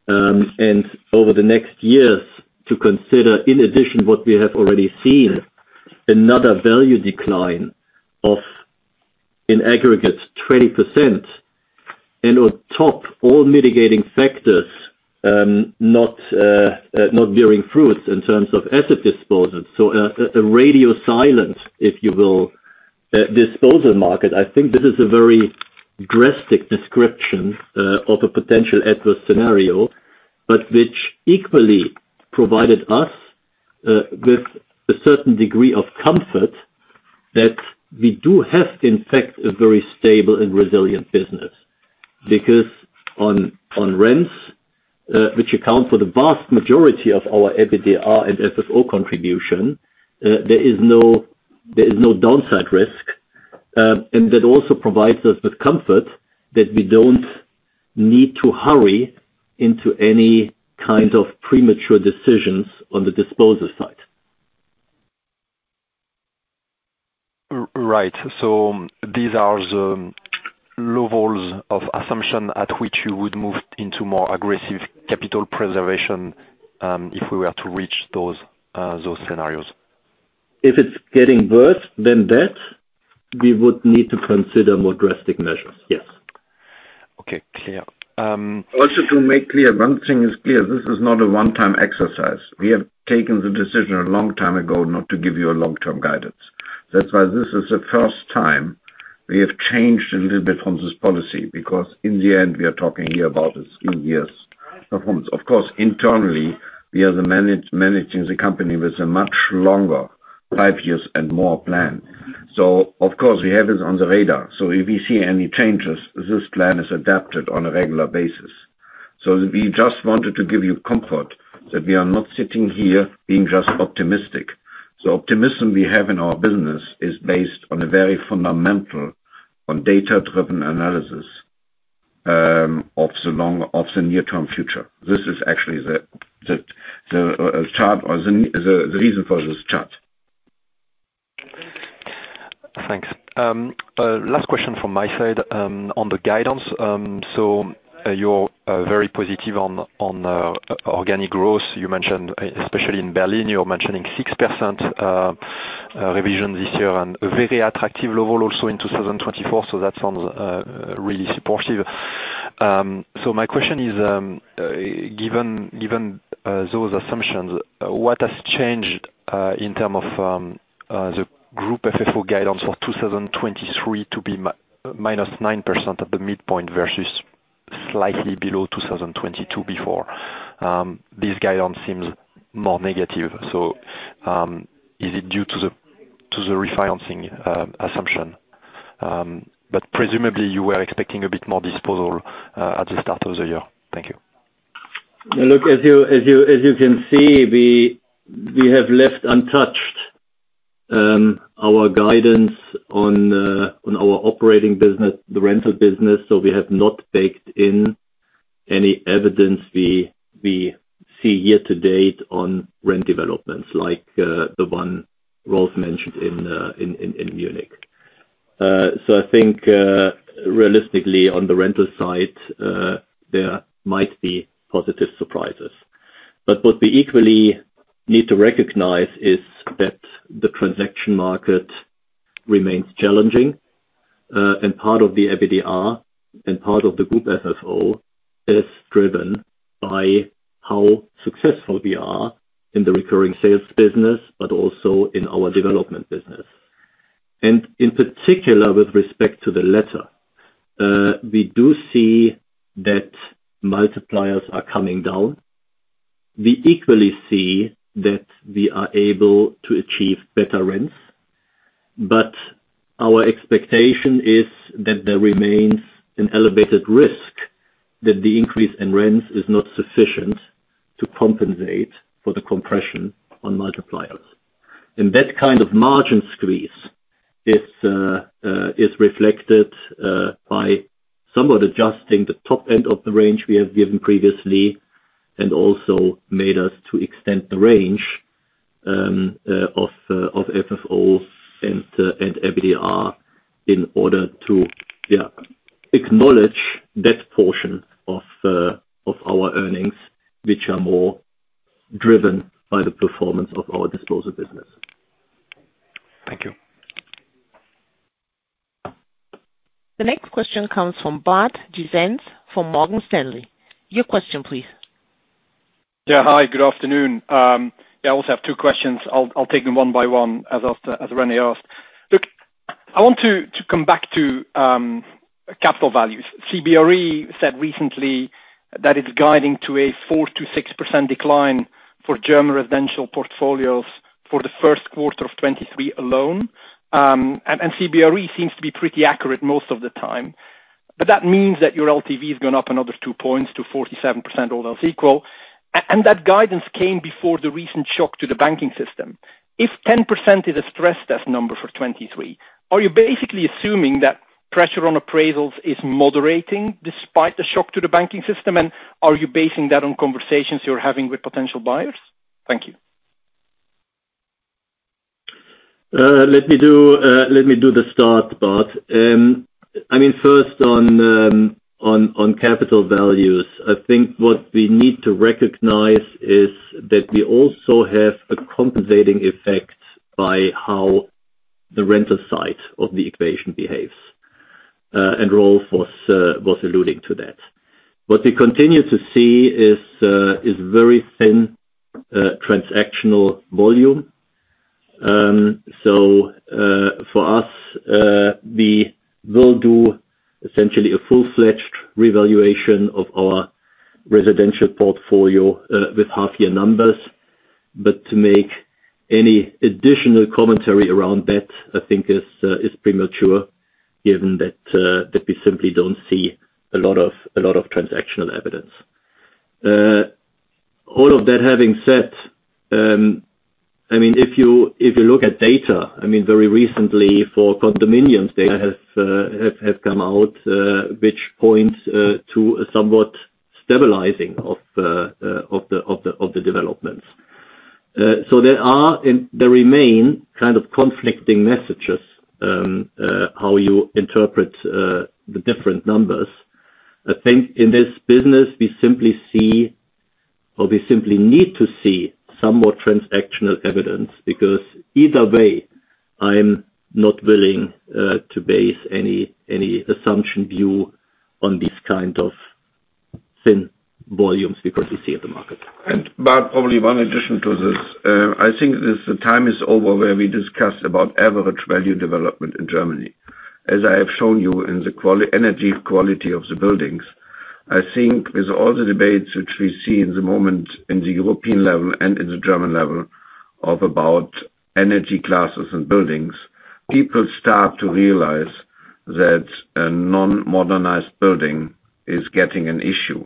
and over the next years to consider, in addition, what we have already seen, another value decline of, in aggregate, 20%, and on top all mitigating factors, not bearing fruit in terms of asset disposals. A radio silent, if you will, disposal market. I think this is a very drastic description, of a potential adverse scenario, but which equally provided us with a certain degree of comfort that we do have, in fact, a very stable and resilient business. On rents, which account for the vast majority of our EBITDA and FFO contribution, there is no downside risk. That also provides us with comfort that we don't need to hurry into any kind of premature decisions on the disposal side. Right. These are the levels of assumption at which you would move into more aggressive capital preservation, if we were to reach those scenarios. If it's getting worse than that, we would need to consider more drastic measures. Yes. Okay. Clear. To make clear, one thing is clear, this is not a one-time exercise. We have taken the decision a long time ago not to give you a long-term guidance. That's why this is the first time. We have changed a little bit from this policy because in the end, we are talking here about this in years' performance. Of course, internally, we are managing the company with a much longer, 5 years and more plan. Of course we have it on the radar. If we see any changes, this plan is adapted on a regular basis. We just wanted to give you comfort that we are not sitting here being just optimistic. The optimism we have in our business is based on a very fundamental, on data-driven analysis of the near-term future. This is actually the chart or the reason for this chart. Thanks. Last question from my side, on the guidance. You're very positive on, organic growth. You mentioned, especially in Berlin, you're mentioning 6% revision this year and a very attractive level also in 2024. That sounds really supportive. My question is, given those assumptions, what has changed, in term of, the Group FFO guidance for 2023 to be -9% at the midpoint versus slightly below 2022 before? This guidance seems more negative. Is it due to the refinancing assumption, but presumably you were expecting a bit more disposal, at the start of the year? Thank you. Look, as you can see, we have left untouched our guidance on our operating business, the rental business. We have not baked in any evidence we see year to date on rent developments like the one Rolf mentioned in Munich. I think realistically on the rental side, there might be positive surprises. What we equally need to recognize is that the transaction market remains challenging, and part of the EBITDA and part of the Group FFO is driven by how successful we are in the recurring sales business, but also in our development business. In particular, with respect to the latter, we do see that multipliers are coming down. We equally see that we are able to achieve better rents. Our expectation is that there remains an elevated risk that the increase in rents is not sufficient to compensate for the compression on multipliers. That kind of margin squeeze is reflected by somewhat adjusting the top end of the range we have given previously and also made us to extend the range of FFO and EBITDA in order to, yeah, acknowledge that portion of our earnings, which are more driven by the performance of our disposal business. Thank you. The next question comes from Bart Gysens from Morgan Stanley. Your question, please. Yeah. Hi, good afternoon. Yeah, I also have 2 questions. I'll take them one by one as Rene asked. Look, I want to come back to capital values. CBRE said recently that it's guiding to a 4%-6% decline for German residential portfolios for the first quarter of 2023 alone. CBRE seems to be pretty accurate most of the time, but that means that your LTV has gone up another 2 points to 47%, all else equal. That guidance came before the recent shock to the banking system. If 10% is a stress test number for 2023, are you basically assuming that pressure on appraisals is moderating despite the shock to the banking system? Are you basing that on conversations you're having with potential buyers? Thank you. Let me do, let me do the start, Bart. I mean, first on capital values, I think what we need to recognize is that we also have a compensating effect by how the rental side of the equation behaves. And Rolf was alluding to that. What we continue to see is very thin, transactional volume. So, for us, we will do essentially a full-fledged revaluation of our residential portfolio, with half year numbers. But to make any additional commentary around that, I think is premature given that we simply don't see a lot of transactional evidence. All of that having said, I mean, if you look at data, I mean, very recently for condominiums, data has come out, which points to a somewhat stabilizing of the developments. There are and there remain kind of conflicting messages, how you interpret, the different numbers. I think in this business, we simply see or we simply need to see some more transactional evidence because either way, I'm not willing to base any assumption view on these kind of. Thin volumes because we see at the market. Bart, probably one addition to this. I think this time is over where we discussed about average value development in Germany. As I have shown you in the energy quality of the buildings. I think with all the debates which we see in the moment in the European level and in the German level of about energy classes and buildings, people start to realize that a non-modernized building is getting an issue.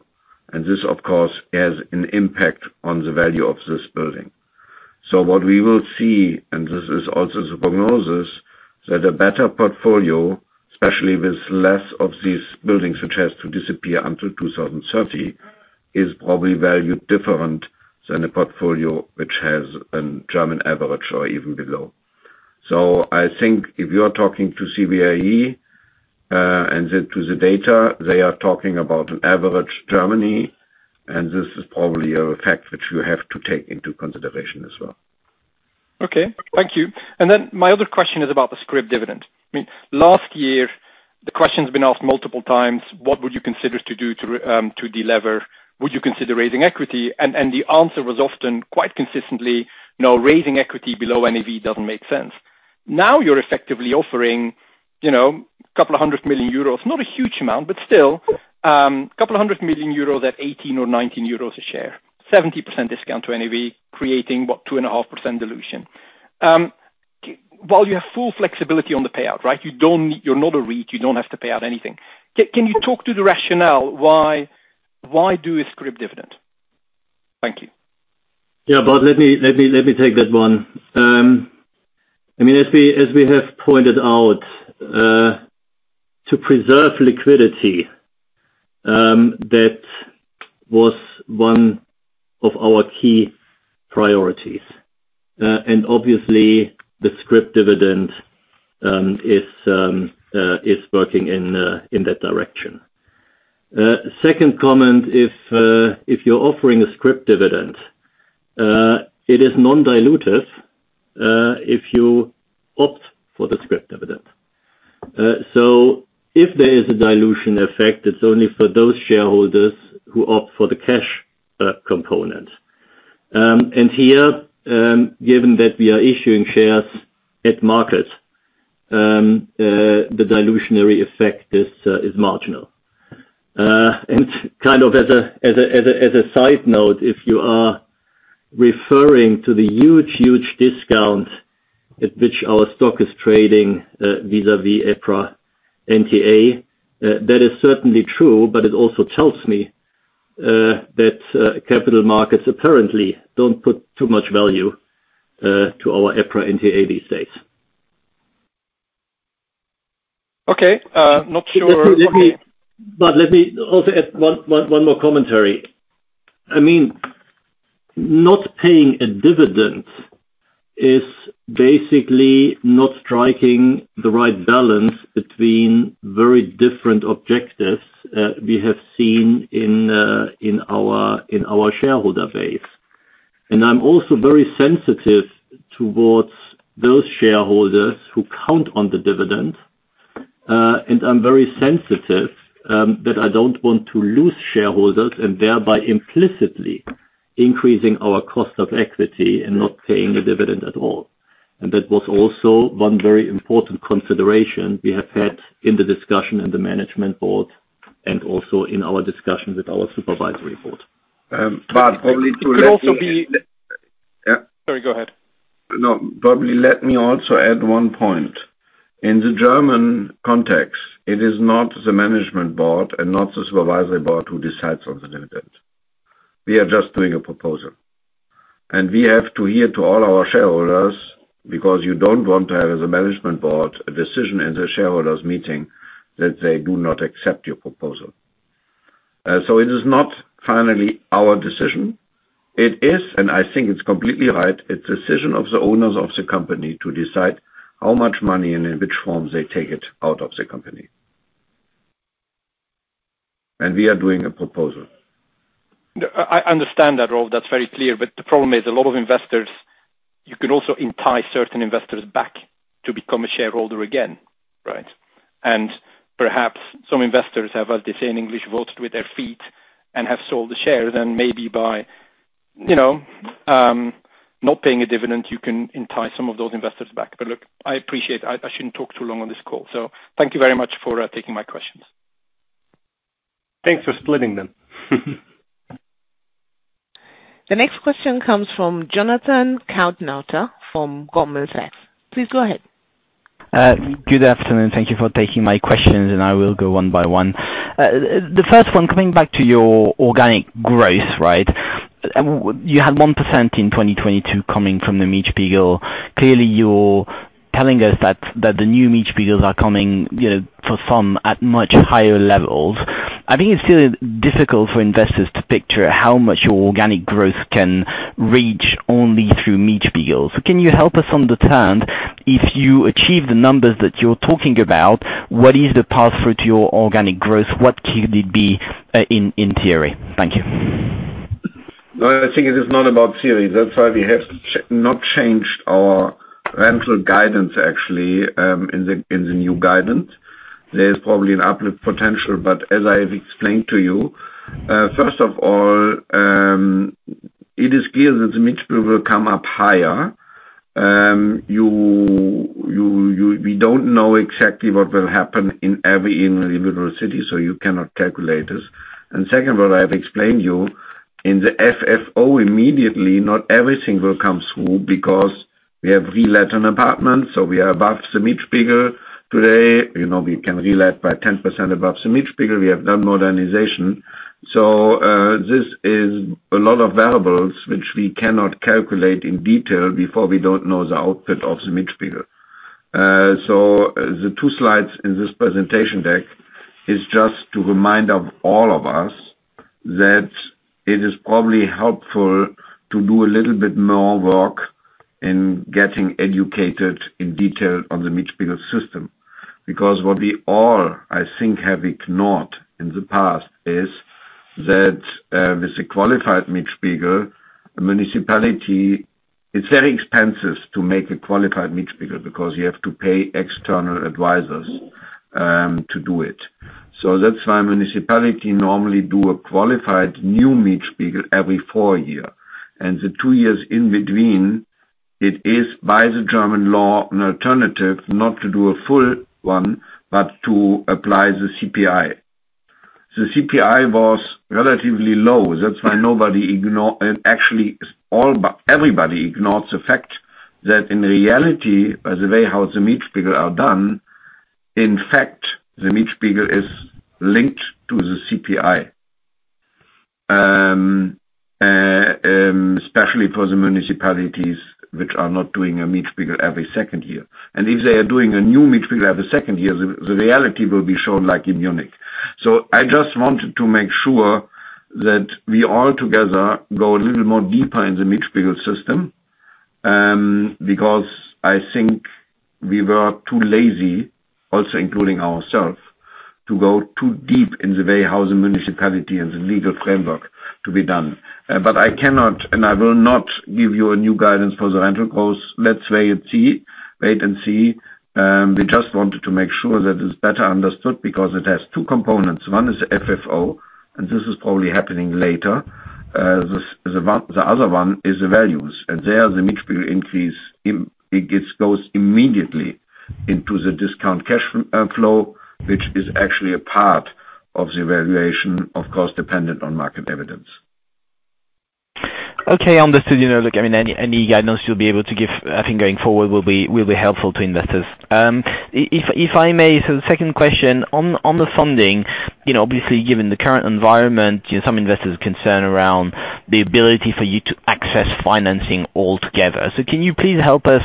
This, of course, has an impact on the value of this building. What we will see, and this is also the prognosis, that a better portfolio, especially with less of these buildings, which has to disappear until 2030, is probably valued different than a portfolio which has an German average or even below. I think if you are talking to CBRE, and to the data, they are talking about an average Germany, and this is probably a fact which you have to take into consideration as well. Okay. Thank you. My other question is about the scrip dividend. I mean, last year, the question's been asked multiple times: What would you consider to do to delever? Would you consider raising equity? The answer was often quite consistently, "No, raising equity below NAV doesn't make sense." Now you're effectively offering, you know, a couple of 100 million euros. Not a huge amount, but still, a couple of 100 million euros at 18 or 19 euros a share. 70% discount to NAV, creating, what, 2.5% dilution. while you have full flexibility on the payout, right? You're not a REIT, you don't have to pay out anything. Can you talk to the rationale why do a scrip dividend? Thank you. Yeah, Bart, let me take that one. I mean, as we have pointed out, to preserve liquidity, that was one of our key priorities. Obviously the scrip dividend is working in that direction. Second comment, if you're offering a scrip dividend, it is non-dilutive, if you opt for the scrip dividend. If there is a dilution effect, it's only for those shareholders who opt for the cash component. Here, given that we are issuing shares at market, the dilutionary effect is marginal. Kind of as a side note, if you are referring to the huge discount at which our stock is trading, vis-à-vis EPRA NTA, that is certainly true. It also tells me that capital markets apparently don't put too much value to our EPRA NTA these days. Okay. Let me, Bart Gysens, let me also add one more commentary. I mean, not paying a dividend is basically not striking the right balance between very different objectives we have seen in in our shareholder base. I'm also very sensitive towards those shareholders who count on the dividend. I'm very sensitive that I don't want to lose shareholders and thereby implicitly increasing our cost of equity and not paying a dividend at all. That was also one very important consideration we have had in the discussion in the management board and also in our discussions with our supervisory board. Bart, only to. It could also be- Yeah. Sorry, go ahead. No. Probably let me also add one point. In the German context, it is not the management board and not the supervisory board who decides on the dividend. We are just doing a proposal. We have to hear to all our shareholders, because you don't want to have, as a management board, a decision in the shareholders meeting that they do not accept your proposal. It is not finally our decision. It is, and I think it's completely right, a decision of the owners of the company to decide how much money and in which form they take it out of the company. We are doing a proposal. I understand that, Rolf. That's very clear. The problem is a lot of investors, you can also entice certain investors back to become a shareholder again, right? Perhaps some investors have, as they say in English, voted with their feet and have sold the shares. Maybe by, you know, not paying a dividend, you can entice some of those investors back. Look, I appreciate it. I shouldn't talk too long on this call. Thank you very much for taking my questions. Thanks for splitting them. The next question comes from Jonathan Kownator from Goldman Sachs. Please go ahead. Good afternoon. Thank you for taking my questions, and I will go one by one. The first one, coming back to your organic growth, right? You had 1% in 2022 coming from the Mietspiegel. Clearly, you're telling us that the new Mietspiegels are coming, you know, for some at much higher levels. I think it's still difficult for investors to picture how much your organic growth can reach only through Mietspiegels. Can you help us understand if you achieve the numbers that you're talking about, what is the path through to your organic growth? What could it be, in theory? Thank you. I think it is not about series. That's why we have not changed our rental guidance actually, in the new guidance. There's probably an uplift potential, as I have explained to you, first of all, it is clear that the Mietspiegel will come up higher. You, we don't know exactly what will happen in every individual city, you cannot calculate this. Second of all, I have explained you, in the FFO immediately, not everything will come through because we have relet an apartment, we are above the Mietspiegel today. You know, we can relet by 10% above the Mietspiegel. We have done modernization. This is a lot of variables which we cannot calculate in detail before we don't know the output of the Mietspiegel. The 2 slides in this presentation deck is just to remind of all of us that it is probably helpful to do a little bit more work in getting educated in detail on the Mietspiegel system. What we all, I think, have ignored in the past is that with a qualified Mietspiegel, a municipality, it's very expensive to make a qualified Mietspiegel because you have to pay external advisors to do it. That's why municipality normally do a qualified new Mietspiegel every 4 year. The 2 years in between, it is by the German law an alternative not to do a full one, but to apply the CPI. The CPI was relatively low. That's why nobody actually all but everybody ignores the fact that in reality, by the way how the Mietspiegel are done, in fact, the Mietspiegel is linked to the CPI. Especially for the municipalities which are not doing a Mietspiegel every second year. If they are doing a new Mietspiegel every second year, the reality will be shown like in Munich. I just wanted to make sure that we all together go a little more deeper in the Mietspiegel system, because I think we were too lazy, also including ourselves, to go too deep in the way how the municipality and the legal framework to be done. I cannot and I will not give you a new guidance for the rental growth. Let's wait and see, wait and see. We just wanted to make sure that it's better understood because it has two components. One is the FFO. This is probably happening later. The other one is the values. There the Mietspiegel increase goes immediately into the discount cash flow, which is actually a part of the valuation, of course, dependent on market evidence. Okay. Understood. You know, look, I mean, any guidance you'll be able to give, I think going forward will be helpful to investors. If I may, the second question. On the funding, you know, obviously, given the current environment, you know, some investors' concern around the ability for you to access financing altogether. Can you please help us,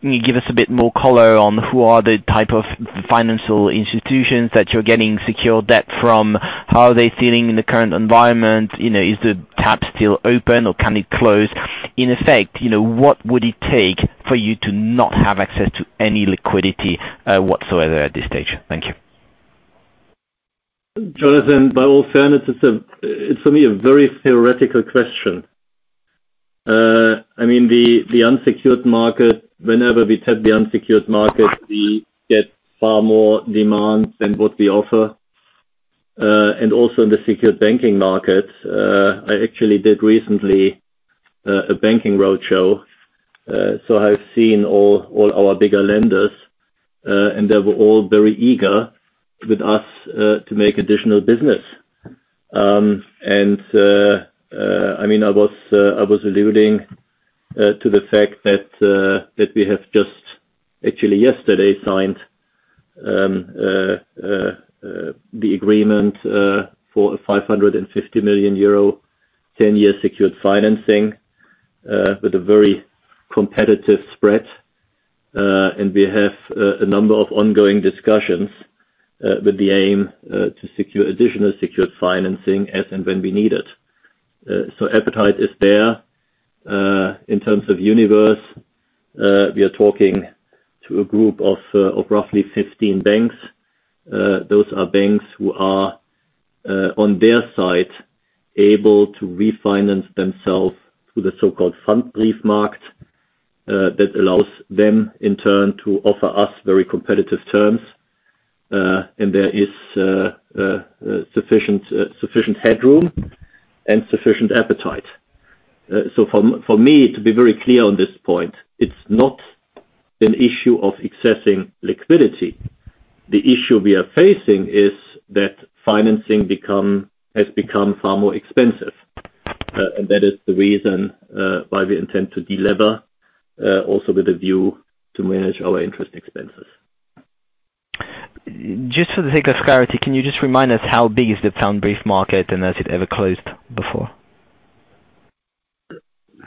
can you give us a bit more color on who are the type of financial institutions that you're getting secured debt from? How are they feeling in the current environment? You know, is the tap still open or can it close? In effect, you know, what would it take for you to not have access to any liquidity whatsoever at this stage? Thank you. Jonathan, by all fairness, it's for me a very theoretical question. I mean, the unsecured market, whenever we tap the unsecured market, we get far more demand than what we offer. Also in the secured banking market, I actually did recently a banking roadshow. I've seen all our bigger lenders, and they were all very eager with us, to make additional business. I mean, I was alluding, to the fact that we have just actually yesterday signed, the agreement, for a 550 million euro 10-year secured financing, with a very competitive spread. We have a number of ongoing discussions, with the aim, to secure additional secured financing as and when we need it. Appetite is there. In terms of universe, we are talking to a group of roughly 15 banks. Those are banks who are on their side able to refinance themselves through the so-called Pfandbriefmarkt, that allows them in turn to offer us very competitive terms. There is sufficient sufficient headroom and sufficient appetite. For me, to be very clear on this point, it's not an issue of accessing liquidity. The issue we are facing is that financing has become far more expensive. That is the reason why we intend to delever also with a view to manage our interest expenses. Just for the sake of clarity, can you just remind us how big is the Pfandbriefmarkt, and has it ever closed before?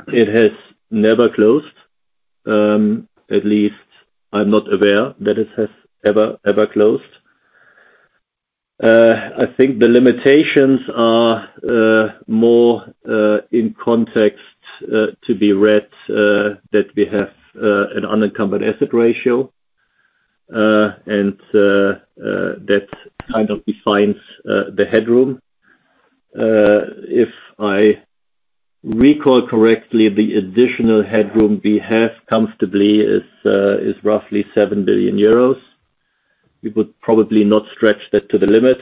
It has never closed. At least I'm not aware that it has ever closed. I think the limitations are more in context to be read that we have an unencumbered asset ratio. That kind of defines the headroom. If I recall correctly, the additional headroom we have comfortably is roughly 7 billion euros. We would probably not stretch that to the limit,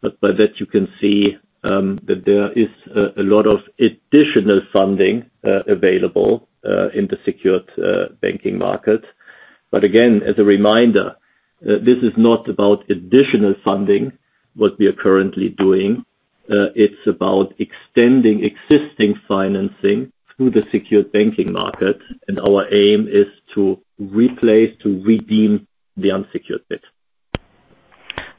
but by that you can see that there is a lot of additional funding available in the secured banking market. Again, as a reminder, this is not about additional funding, what we are currently doing. It's about extending existing financing through the secured banking market, and our aim is to replace, to redeem the unsecured bit.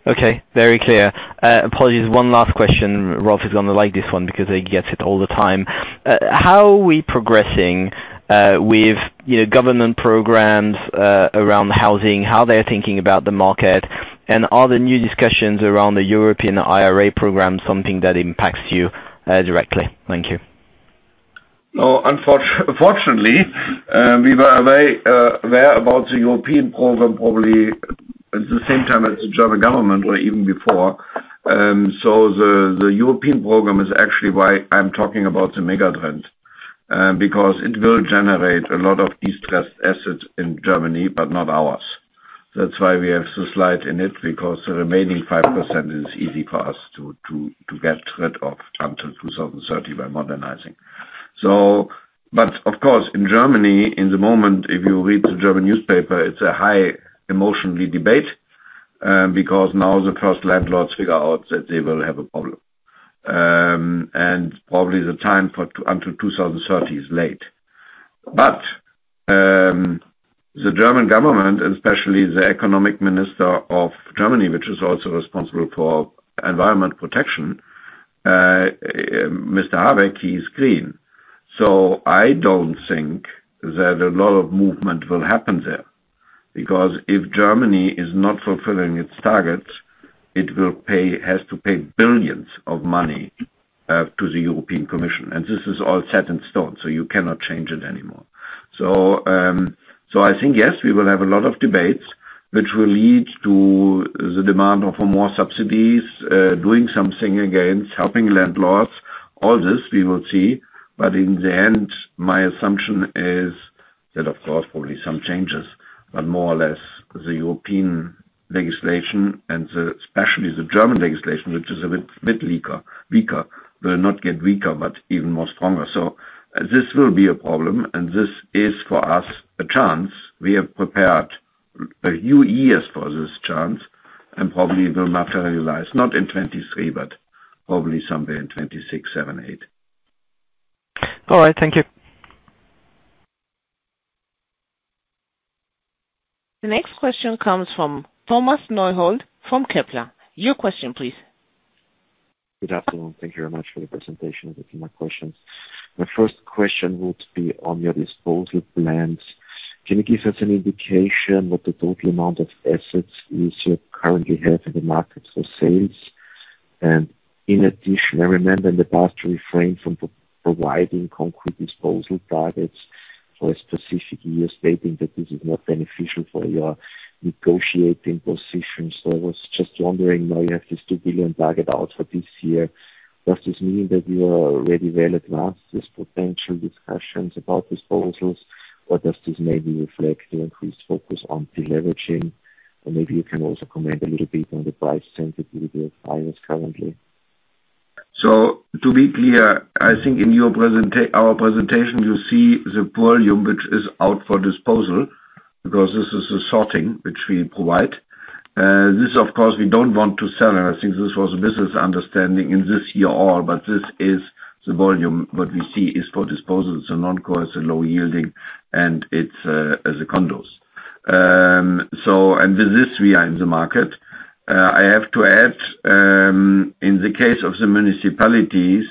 Okay, very clear. Apologies, one last question. Rolf is gonna like this one because he gets it all the time. How are we progressing with, you know, government programs around housing, how they are thinking about the market, and are the new discussions around the European IRA program something that impacts you directly? Thank you. No. Unfortunately, we were very aware about the European program probably the same time as the German government or even before. The European program is actually why I'm talking about the megatrend because it will generate a lot of distressed assets in Germany, but not ours. That's why we have so slight in it, because the remaining 5% is easy for us to get rid of until 2030 by modernizing. Of course, in Germany, in the moment, if you read the German newspaper, it's a high emotionally debate because now the first landlords figure out that they will have a problem. Probably the time until 2030 is late. The German government, and especially the economic minister of Germany, which is also responsible for environment protection. Mr Habeck, he is green. I don't think that a lot of movement will happen there. If Germany is not fulfilling its targets, it has to pay billions of money to the European Commission. This is all set in stone, so you cannot change it anymore. I think, yes, we will have a lot of debates which will lead to the demand for more subsidies, doing something against helping landlords. All this we will see. In the end, my assumption is that, of course, probably some changes, but more or less the European legislation and the, especially the German legislation, which is a bit weaker, will not get weaker, but even more stronger. This will be a problem, and this is for us a chance. We have prepared a few years for this chance and probably will materialize not in 2023, but probably somewhere in 2026, 2027, 2028. All right. Thank you. The next question comes from Thomas Neuhold from Kepler. Your question, please. Good afternoon. Thank you very much for the presentation. Looking at my questions. My first question would be on your disposal plans. Can you give us an indication what the total amount of assets you currently have in the market for sales? In addition, I remember in the past you refrained from providing concrete disposal targets for a specific year, stating that this is not beneficial for your negotiating position. I was just wondering, now you have this 2 billion target out for this year. Does this mean that you are already well advanced these potential discussions about disposals, or does this maybe reflect the increased focus on deleveraging? Maybe you can also comment a little bit on the price sensitivity of buyers currently. To be clear, I think in our presentation you see the volume which is out for disposal, because this is the sorting which we provide. This of course we don't want to sell, and I think this was a business understanding in this year all. This is the volume what we see is for disposals and non-coercive low yielding, and it's the condos. This we are in the market. I have to add, in the case of the municipalities,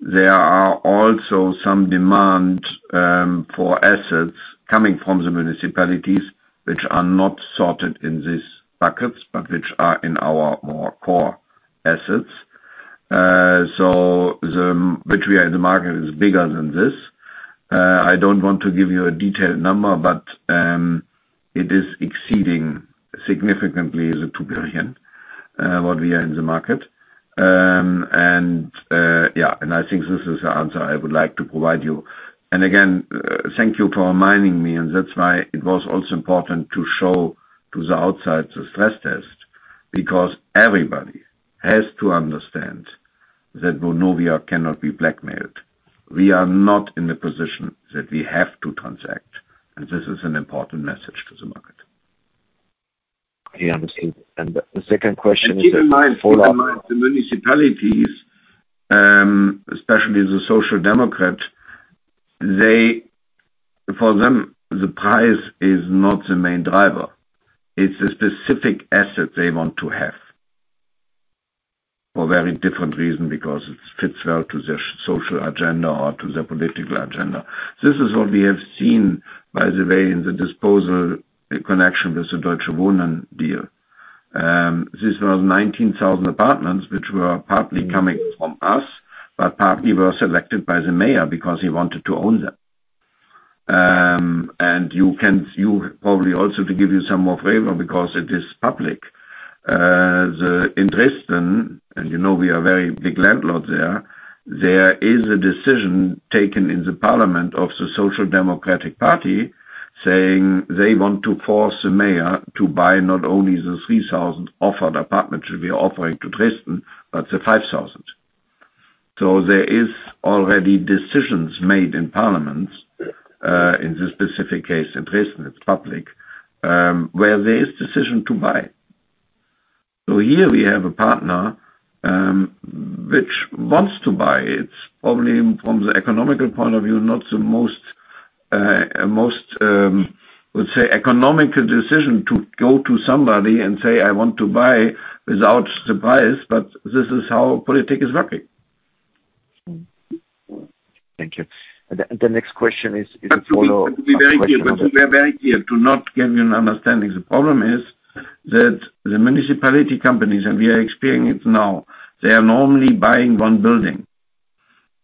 there are also some demand for assets coming from the municipalities which are not sorted in these buckets, but which are in our more core assets. The which we are in the market is bigger than this. I don't want to give you a detailed number, but it is exceeding significantly the 2 billion what we are in the market. I think this is the answer I would like to provide you. Again, thank you for reminding me. That's why it was also important to show to the outside the stress test, because everybody has to understand that Vonovia cannot be blackmailed. We are not in a position that we have to transact. This is an important message to the market. I understand. The second question is. keep in mind the municipalities, especially the Social Democrats, For them, the price is not the main driver. It's a specific asset they want to have for very different reason, because it fits well to their social agenda or to their political agenda. This is what we have seen, by the way, in the disposal in connection with the Deutsche Wohnen deal. This was 19,000 apartments which were partly coming from us, but partly were selected by the mayor because he wanted to own them. you can, you probably also to give you some more flavor because it is public. The interest then, you know, we are very big landlords there. There is a decision taken in the parliament of the Social Democratic Party saying they want to force the Mayor to buy not only the 3,000 offered apartments we are offering to Dresden, but the 5,000. There is already decisions made in parliaments, in this specific case in Dresden, it's public, where there is decision to buy. Here we have a partner, which wants to buy. It's probably from the economical point of view, not the most, let's say, economical decision to go to somebody and say, I want to buy without the price. This is how politics is working. Thank you. The next question is a follow-up question To be very clear, to not give you an understanding. The problem is that the municipality companies, and we are experiencing it now, they are normally buying one building.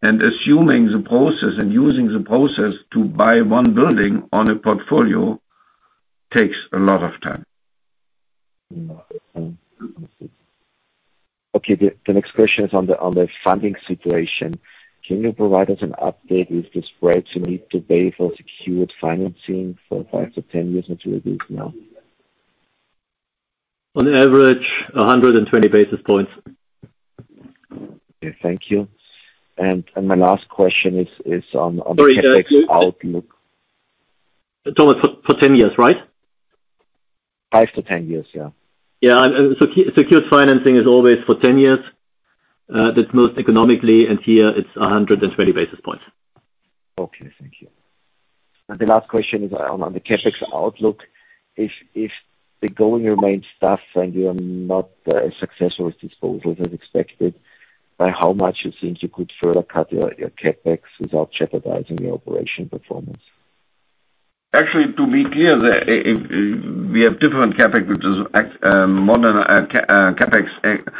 Assuming the process and using the process to buy one building on a portfolio takes a lot of time. Okay. The next question is on the funding situation. Can you provide us an update with the spreads you need to pay for secured financing for 5 to 10 years into the future now? On average, 120 basis points. Okay. Thank you. My last question is on the CapEx outlook. For 10 years, right? Five to 10 years, yeah. Yeah. Secured financing is always for 10 years, that's most economically, and here it's 120 basis points. Okay. Thank you. The last question is on the CapEx outlook. If the going remains tough and you are not as successful with disposals as expected, by how much you think you could further cut CapEx without jeopardizing your operation performance? Actually, to be clear, the, we have different CapEx, which is modern CapEx,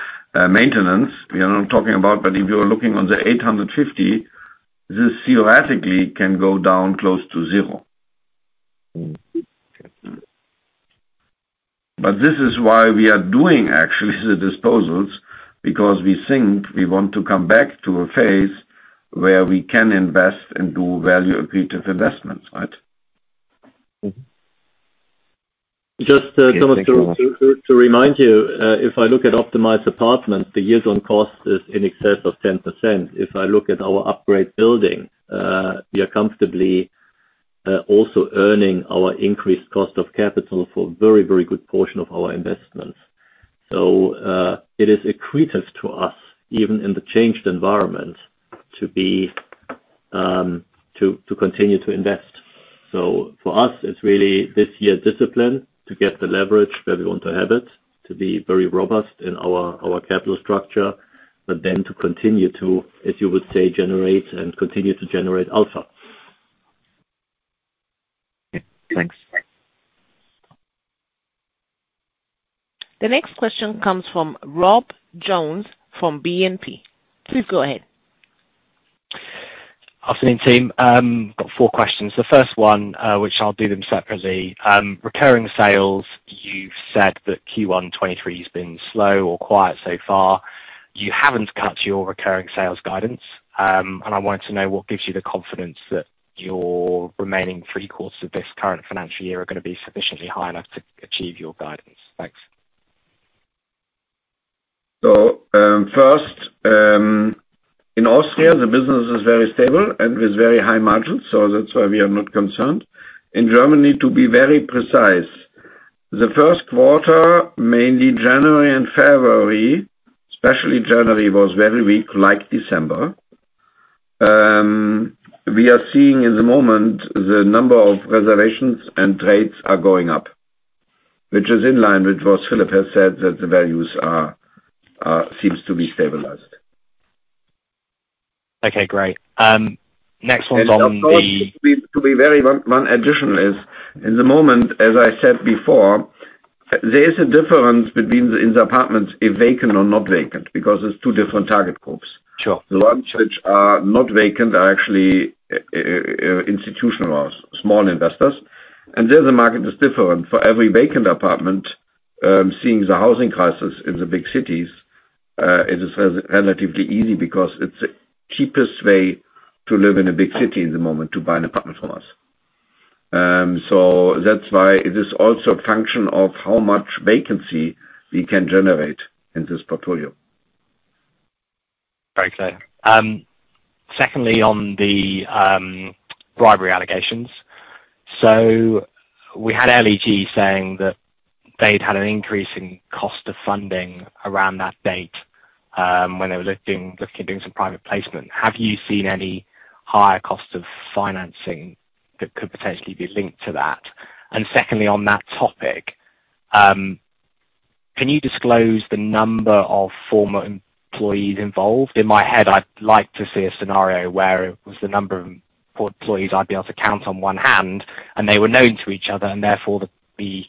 maintenance we are now talking about. If you are looking on the 850, this theoretically can go down close to zero. Mm-hmm. This is why we are doing actually the disposals, because we think we want to come back to a phase where we can invest and do value accretive investments, right? Mm-hmm. Thomas, to remind you, if I look at optimized apartments, the yield on cost is in excess of 10%. If I look at our upgrade building, we are comfortably also earning our increased cost of capital for very, very good portion of our investments. It is accretive to us even in the changed environment to be to continue to invest. For us, it's really this year's discipline to get the leverage where we want to have it, to be very robust in our capital structure, to continue to, as you would say, generate and continue to generate Alpha. Okay, thanks. The next question comes from Rob Jones from BNP. Please go ahead. Afternoon, team. got four questions. The first one, which I'll do them separately. recurring sales, you've said that Q1 2023 has been slow or quiet so far. You haven't cut your recurring sales guidance. I wanted to know what gives you the confidence that your remaining three quarters of this current financial year are gonna be sufficiently high enough to achieve your guidance. Thanks. First, in Austria, the business is very stable and with very high margins, so that's why we are not concerned. In Germany, to be very precise, the first quarter, mainly January and February, especially January, was very weak like December. We are seeing in the moment the number of reservations and trades are going up, which is in line with what Philipp has said, that the values seems to be stabilized. Okay, great. next one on the- One addition is, in the moment, as I said before, there is a difference between in the apartments if vacant or not vacant, because it's two different target groups. Sure. The ones which are not vacant are actually institutional small investors. There the market is different. For every vacant apartment, seeing the housing crisis in the big cities, it is relatively easy because it's the cheapest way to live in a big city at the moment, to buy an apartment from us. That's why it is also a function of how much vacancy we can generate in this portfolio. Very clear. Secondly, on the bribery allegations. We had LEG saying that they'd had an increase in cost of funding around that date, when they were looking at doing some private placement. Have you seen any higher cost of financing that could potentially be linked to that? Secondly, on that topic, can you disclose the number of former employees involved? In my head, I'd like to see a scenario where it was the number of employees, I'd be able to count on one hand, and they were known to each other, and therefore the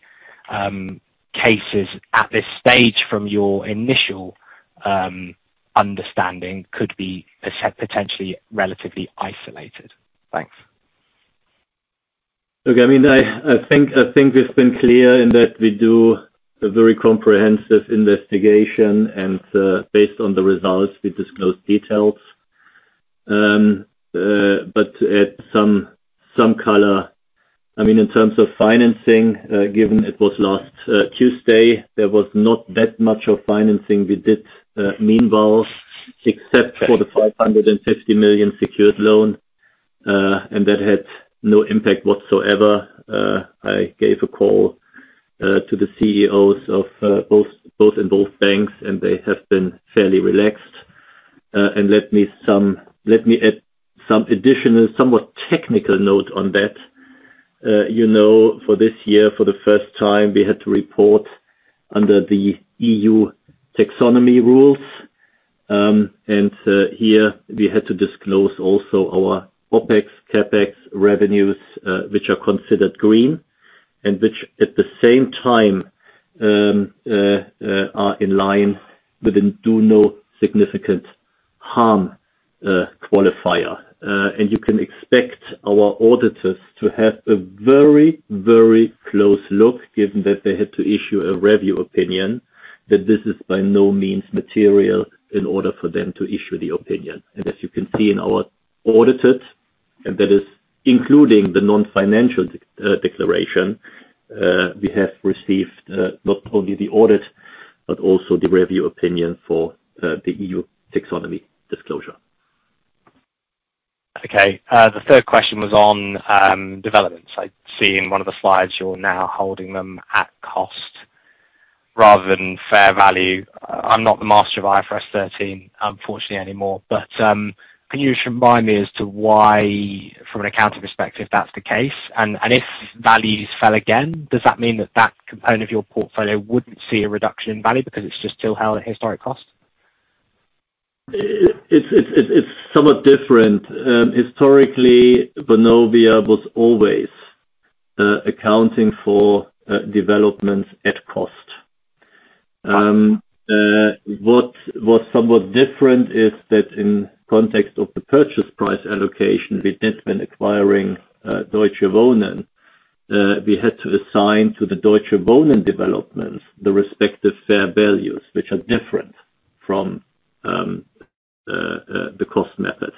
cases at this stage from your initial understanding could be potentially relatively isolated. Thanks. Look, I mean, I think we've been clear in that we do a very comprehensive investigation, and based on the results, we disclose details. To add some color, I mean, in terms of financing, given it was last Tuesday, there was not that much of financing we did, meanwhile, except for the 550 million secured loan, and that had no impact whatsoever. I gave a call to the CEOs of both banks, and they have been fairly relaxed. Let me add some additional somewhat technical note on that. You know, for this year, for the first time, we had to report under the EU taxonomy rules. Here we had to disclose also our OpEx, CapEx revenues, which are considered green and which at the same time are in line with the do no significant harm qualifier. You can expect our auditors to have a very, very close look, given that they had to issue a review opinion that this is by no means material in order for them to issue the opinion. As you can see in our audited, and that is including the non-financial declaration, we have received not only the audit, but also the review opinion for the EU taxonomy disclosure. Okay. The third question was on developments. I see in one of the slides you're now holding them at cost rather than fair value. I'm not the master of IFRS 13 unfortunately anymore. Can you just remind me as to why from an accounting perspective that's the case? If values fell again, does that mean that that component of your portfolio wouldn't see a reduction in value because it's just still held at historic cost? It's somewhat different. Historically, Vonovia was always accounting for developments at cost. What was somewhat different is that in context of the purchase price allocation we did when acquiring Deutsche Wohnen, we had to assign to the Deutsche Wohnen developments the respective fair values, which are different from the cost method.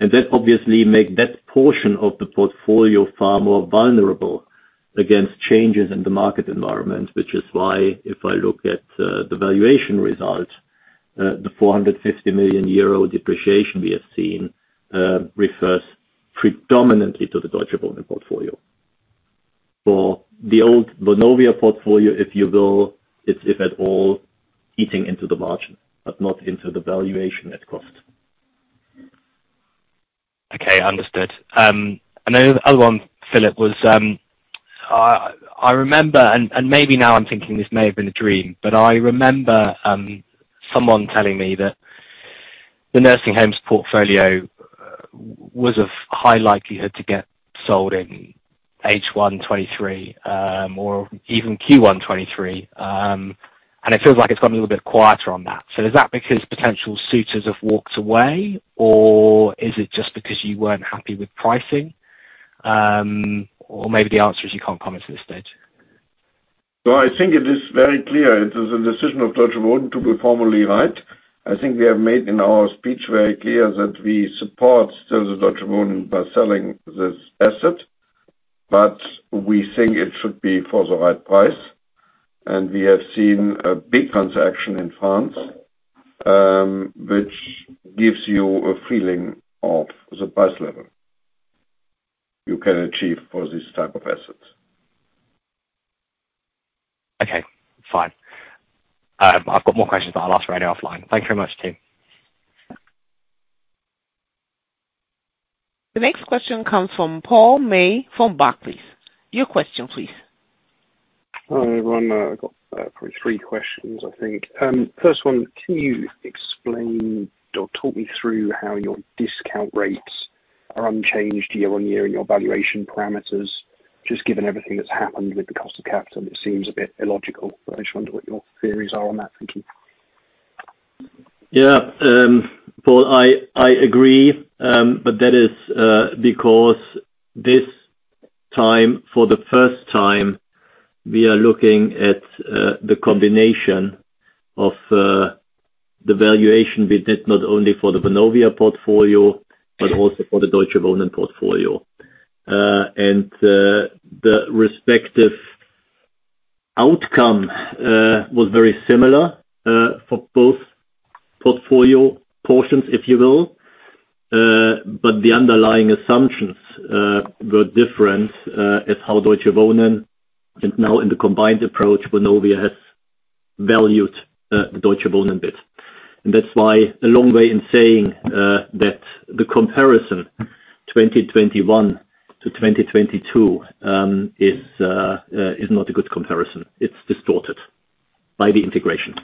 That obviously make that portion of the portfolio far more vulnerable against changes in the market environment, which is why if I look at the valuation result, the 450 million euro depreciation we have seen refers predominantly to the Deutsche Wohnen portfolio. For the old Vonovia portfolio, if you will, it's, if at all, eating into the margin, but not into the valuation at cost. Okay. Understood. another one, Philip, was, I remember, and maybe now I'm thinking this may have been a dream, but I remember, someone telling me that the nursing homes portfolio was of high likelihood to get sold in H1 2023, or even Q1 2023. It feels like it's gotten a little bit quieter on that. Is that because potential suitors have walked away, or is it just because you weren't happy with pricing, or maybe the answer is you can't comment at this stage? I think it is very clear it is a decision of Deutsche Wohnen to be formally right. I think we have made in our speech very clear that we support the Deutsche Wohnen by selling this asset, but we think it should be for the right price. We have seen a big transaction in France, which gives you a feeling of the price level you can achieve for this type of assets. Okay. Fine. I've got more questions. I'll ask Rene offline. Thank you very much, team. The next question comes from Paul May from Barclays. Your question please. Hi, everyone. I've got, probably three questions I think. First one, can you explain or talk me through how your discount rates are unchanged year-on-year in your valuation parameters? Just given everything that's happened with the cost of capital, it seems a bit illogical. I just wonder what your theories are on that thinking. Yeah. Paul, I agree. That is because this time, for the first time, we are looking at the combination of the valuation we did not only for the Vonovia portfolio, but also for the Deutsche Wohnen portfolio. The respective outcome was very similar for both portfolio portions, if you will. The underlying assumptions were different is how Deutsche Wohnen and now in the combined approach, Vonovia has valued the Deutsche Wohnen bit. That's why a long way in saying that the comparison 2021 to 2022 is not a good comparison. It's distorted by the integration.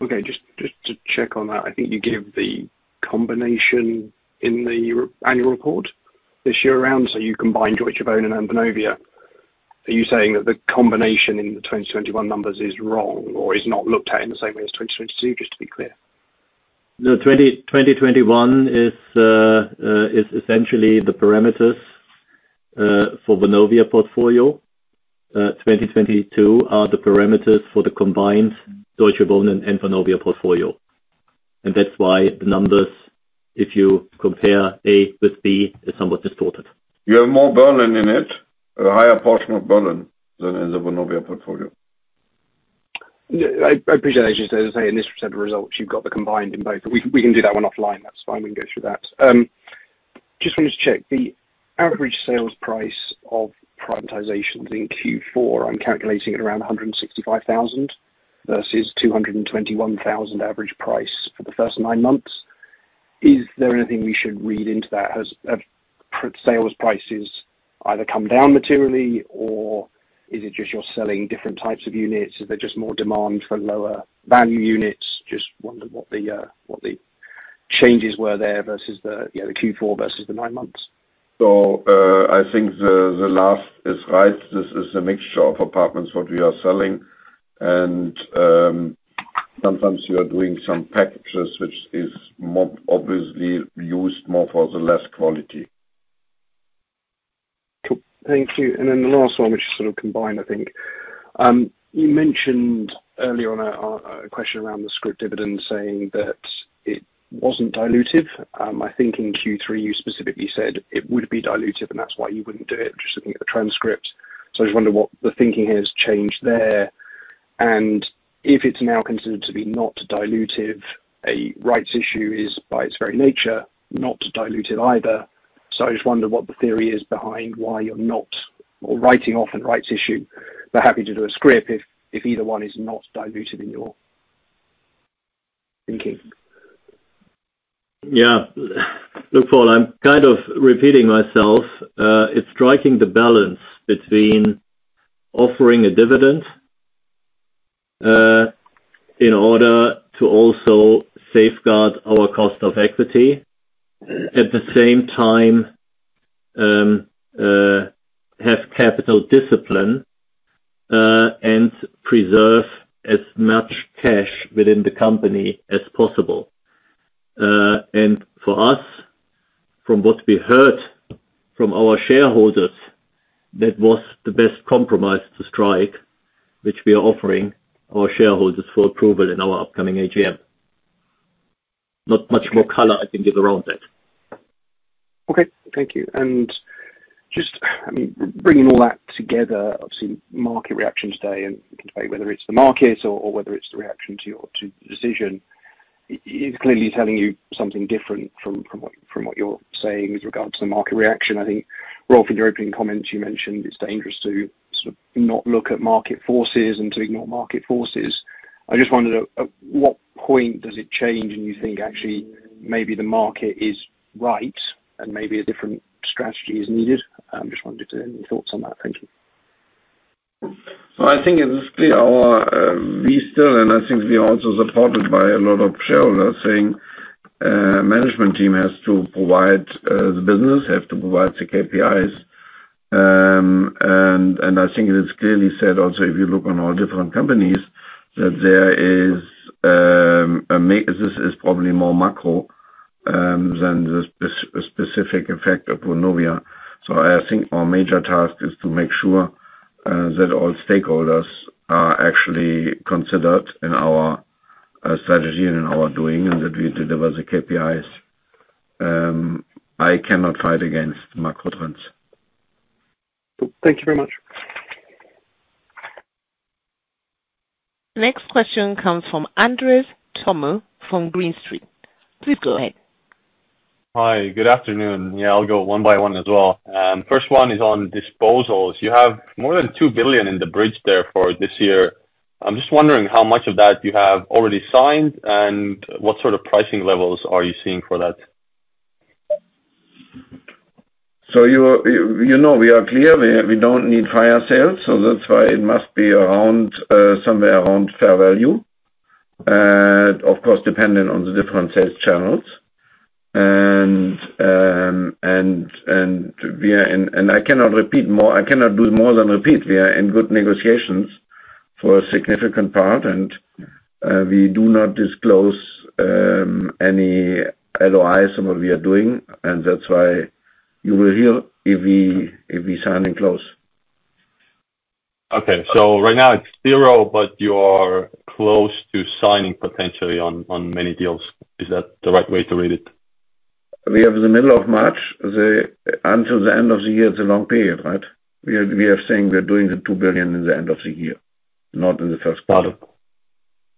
Okay. Just to check on that. I think you give the combination in the annual report this year around, so you combined Deutsche Wohnen and Vonovia. Are you saying that the combination in the 2021 numbers is wrong or is not looked at in the same way as 2022, just to be clear? No, 20, 2021 is essentially the parameters for Vonovia portfolio. 2022 are the parameters for the combined Deutsche Wohnen and Vonovia portfolio. That's why the numbers, if you compare A with B, is somewhat distorted. You have more Berlin in it. A higher portion of Berlin than in the Vonovia portfolio. I appreciate that. Just as I say, in this set of results, you've got the combined in both. We can do that one offline. That's fine. We can go through that. Just wanted to check. The average sales price of privatizations in Q4, I'm calculating at around 165,000 versus 221,000 average price for the first 9 months. Is there anything we should read into that? Has sales prices either come down materially or is it just you're selling different types of units? Is there just more demand for lower value units? Just wonder what the, what the changes were there versus the, you know, the Q4 versus the 9 months. I think the last is right. This is a mixture of apartments that we are selling and sometimes you are doing some packages which is more obviously used more for the less quality. Cool. Thank you. The last one, which is sort of combined, I think. You mentioned early on a question around the scrip dividend saying that it wasn't dilutive. I think in Q3 you specifically said it would be dilutive and that's why you wouldn't do it. Just looking at the transcript. I just wonder what the thinking has changed there? If it's now considered to be not dilutive, a rights issue is by its very nature, not dilutive either. I just wonder what the theory is behind why you're not or writing off a rights issue, but happy to do a scrip if either one is not dilutive in your thinking? Yeah. Look, Paul, I'm kind of repeating myself. It's striking the balance between offering a dividend, in order to also safeguard our cost of equity. At the same time, have capital discipline, and preserve as much cash within the company as possible. From what we heard from our shareholders, that was the best compromise to strike, which we are offering our shareholders for approval in our upcoming AGM. Not much more color I can give around that. Okay. Thank you. Just, I mean, bringing all that together, obviously, market reaction today and debate whether it's the market or whether it's the reaction to the decision. It's clearly telling you something different from what you're saying with regards to the market reaction. I think Rolf, in your opening comments, you mentioned it's dangerous to sort of not look at market forces and to ignore market forces. I just wondered at what point does it change and you think actually maybe the market is right and maybe a different strategy is needed? Just wondered if there are any thoughts on that. Thank you. Well, I think it is clear our, we still and I think we are also supported by a lot of shareholders saying, management team has to provide, the business, have to provide the KPIs. I think it is clearly said also if you look on all different companies that there is, This is probably more macro, than the specific effect of Vonovia. I think our major task is to make sure, that all stakeholders are actually considered in our, strategy and in our doing and that we deliver the KPIs. I cannot fight against macro trends. Cool. Thank you very much. Next question comes from Andres Toome from Green Street. Please go ahead. Hi, good afternoon. I'll go one by one as well. First one is on disposals. You have more than 2 billion in the bridge there for this year. I'm just wondering how much of that you have already signed and what sort of pricing levels are you seeing for that? You, you know we are clear. We don't need higher sales, that's why it must be around somewhere around fair value. Of course, dependent on the different sales channels. I cannot repeat more. I cannot do more than repeat. We are in good negotiations for a significant part, and we do not disclose any LOIs on what we are doing, that's why you will hear if we sign and close. Okay. Right now it's zero, but you're close to signing potentially on many deals. Is that the right way to read it? We are in the middle of March. Until the end of the year is a long period, right? We are saying we're doing the 2 billion in the end of the year, not in the first quarter.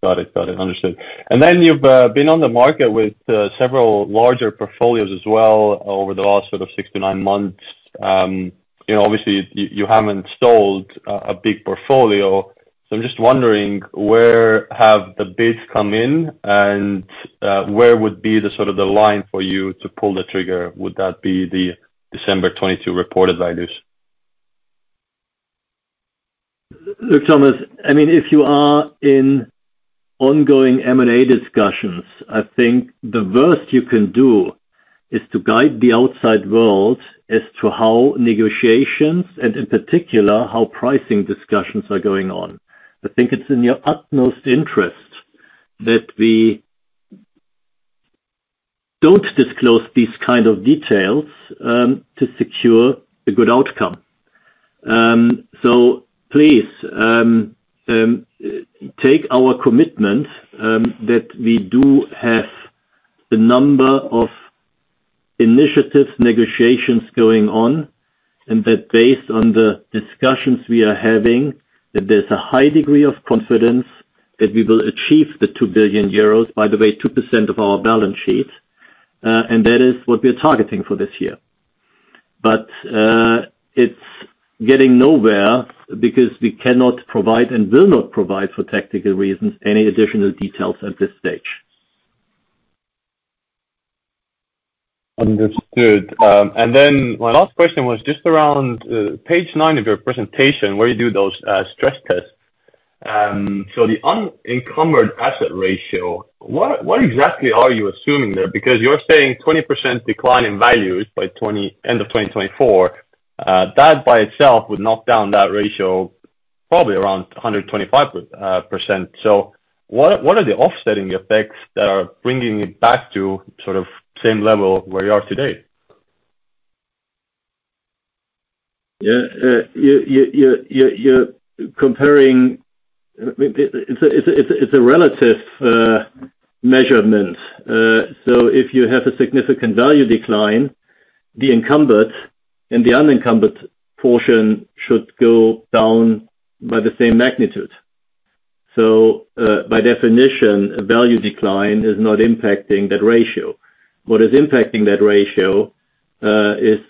Got it. Got it. Got it. Understood. Then you've been on the market with several larger portfolios as well over the last sort of six to nine months. You know, obviously you haven't sold a big portfolio. I'm just wondering where have the bids come in and where would be the sort of the line for you to pull the trigger? Would that be the December 2022 reported values? Look, Toome, I mean, if you are in ongoing M&A discussions, I think the worst you can do is to guide the outside world as to how negotiations, and in particular, how pricing discussions are going on. I think it's in your utmost interest that we don't disclose these kind of details to secure a good outcome. Please take our commitment that we do have a number of initiatives negotiations going on, and that based on the discussions we are having, that there's a high degree of confidence that we will achieve the 2 billion euros, by the way, 2% of our balance sheet, and that is what we are targeting for this year. It's getting nowhere because we cannot provide and will not provide, for technical reasons, any additional details at this stage. My last question was just around page nine of your presentation, where you do those stress tests. The unencumbered asset ratio, what exactly are you assuming there? Because you're saying 20% decline in values by End of 2024. That by itself would knock down that ratio probably around 125%. What are the offsetting effects that are bringing it back to sort of same level where you are today? Yeah. You're comparing... I mean, it's a relative measurement. If you have a significant value decline, the encumbered and the unencumbered portion should go down by the same magnitude. By definition, a value decline is not impacting that ratio. What is impacting that ratio is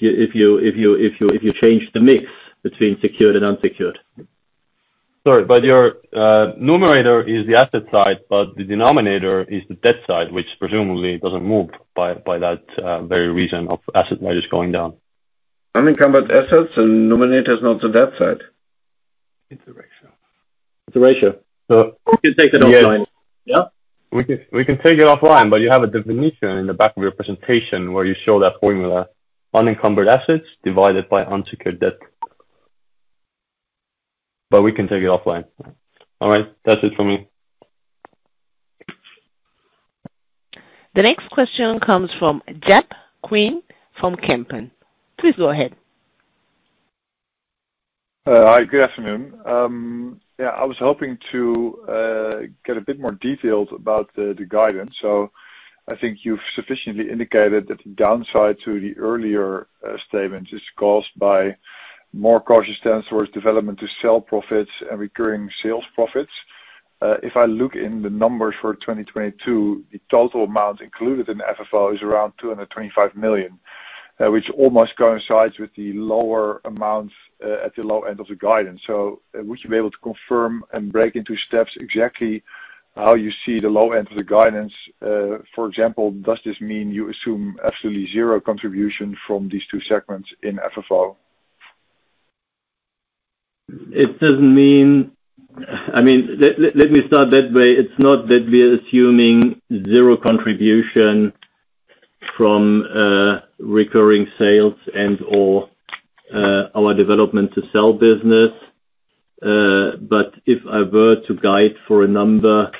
if you change the mix between secured and unsecured. Sorry, but your numerator is the asset side, but the denominator is the debt side, which presumably doesn't move by that very reason of asset values going down. Unencumbered assets and denominator is not the debt side. It's a ratio. It's a ratio. We can take that offline. Yeah. We can take it offline, you have a definition in the back of your presentation where you show that formula, unencumbered assets divided by unsecured debt. We can take it offline. All right. That's it for me. The next question comes from Jaap Kuin from Kempen. Please go ahead. Hi, good afternoon. Yeah, I was hoping to get a bit more details about the guidance. I think you've sufficiently indicated that the downside to the earlier statements is caused by more cautious stance towards development to sell profits and recurring sales profits. If I look in the numbers for 2022, the total amount included in FFO is around 225 million, which almost coincides with the lower amounts at the low end of the guidance. Would you be able to confirm and break into steps exactly how you see the low end of the guidance? For example, does this mean you assume absolutely zero contribution from these two segments in FFO? I mean, let me start that way. It's not that we are assuming zero contribution from recurring sales and or our development to sell business. If I were to guide for a number,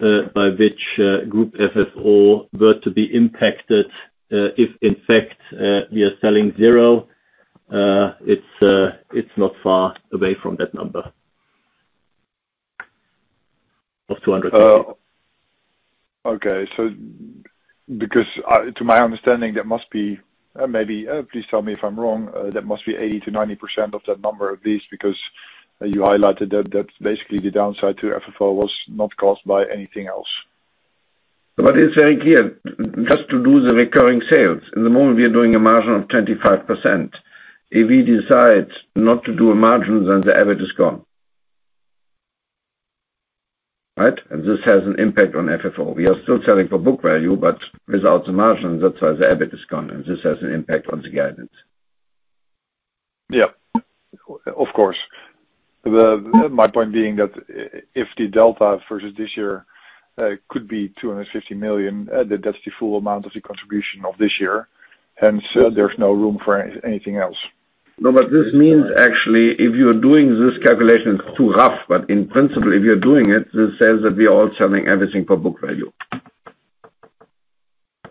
by which Group FFO were to be impacted, if in fact, we are selling zero, it's not far away from that number. Of 250. Okay. To my understanding, there must be, maybe, please tell me if I'm wrong, there must be 80%-90% of that number at least, because you highlighted that basically the downside to FFO was not caused by anything else. It's very clear, just to do the recurring sales. In the moment, we are doing a margin of 25%. If we decide not to do a margin, then the average is gone. Right? This has an impact on FFO. We are still selling for book value, but without the margin, that's why the EBIT is gone, and this has an impact on the guidance. Yeah. Of course. My point being that if the delta versus this year, could be 250 million, that's the full amount of the contribution of this year, hence there's no room for anything else. This means actually, if you're doing this calculation, it's too rough. In principle, if you're doing it, this says that we are all selling everything for book value.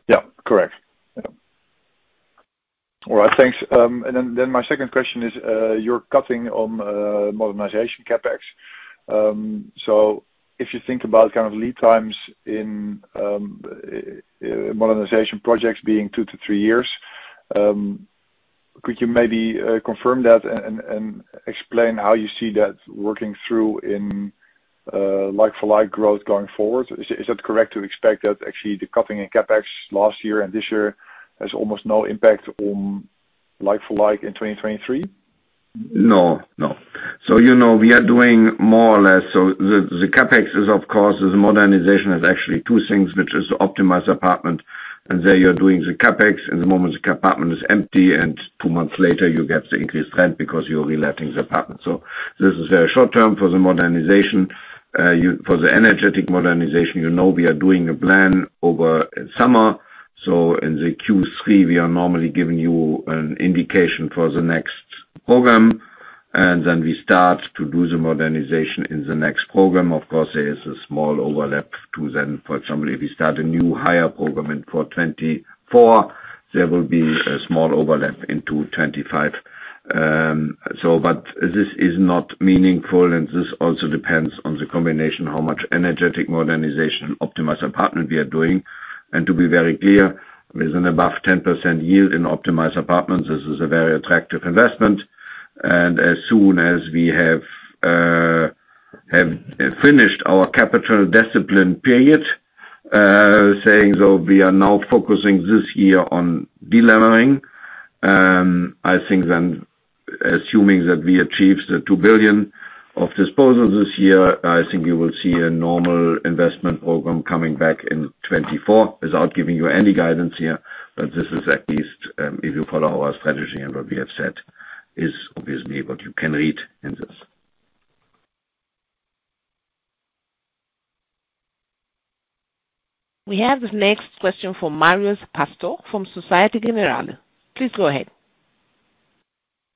Yeah. Correct. Yeah. All right. Thanks. My second question is, you're cutting on modernization CapEx. If you think about kind of lead times in modernization projects being 2 to 3 years, could you maybe confirm that and explain how you see that working through in like for like growth going forward? Is that correct to expect that actually the cutting in CapEx last year and this year has almost no impact on like for like in 2023? No, no. You know, we are doing more or less. The, the CapEx is of course, the modernization is actually two things, which is to optimize apartment, and there you're doing the CapEx. The moment the apartment is empty and 2 months later you get the increased rent because you're reletting the apartment. This is a short term for the modernization. For the energetic modernization, you know, we are doing a plan over summer. In the Q3 we are normally giving you an indication for the next program, and then we start to do the modernization in the next program. Of course, there is a small overlap to then, for example, if we start a new hire program in 2024, there will be a small overlap into 2025. This is not meaningful. This also depends on the combination, how much energetic modernization optimized apartment we are doing. To be very clear, with an above 10% yield in optimized apartments, this is a very attractive investment. As soon as we have finished our capital discipline period, saying, so we are now focusing this year on delevering, I think then assuming that we achieve the 2 billion of disposals this year, I think you will see a normal investment program coming back in 2024. Without giving you any guidance here, but this is at least, if you follow our strategy and what we have said is obviously what you can read in this. We have this next question from Marios Pastou from Société Générale. Please go ahead.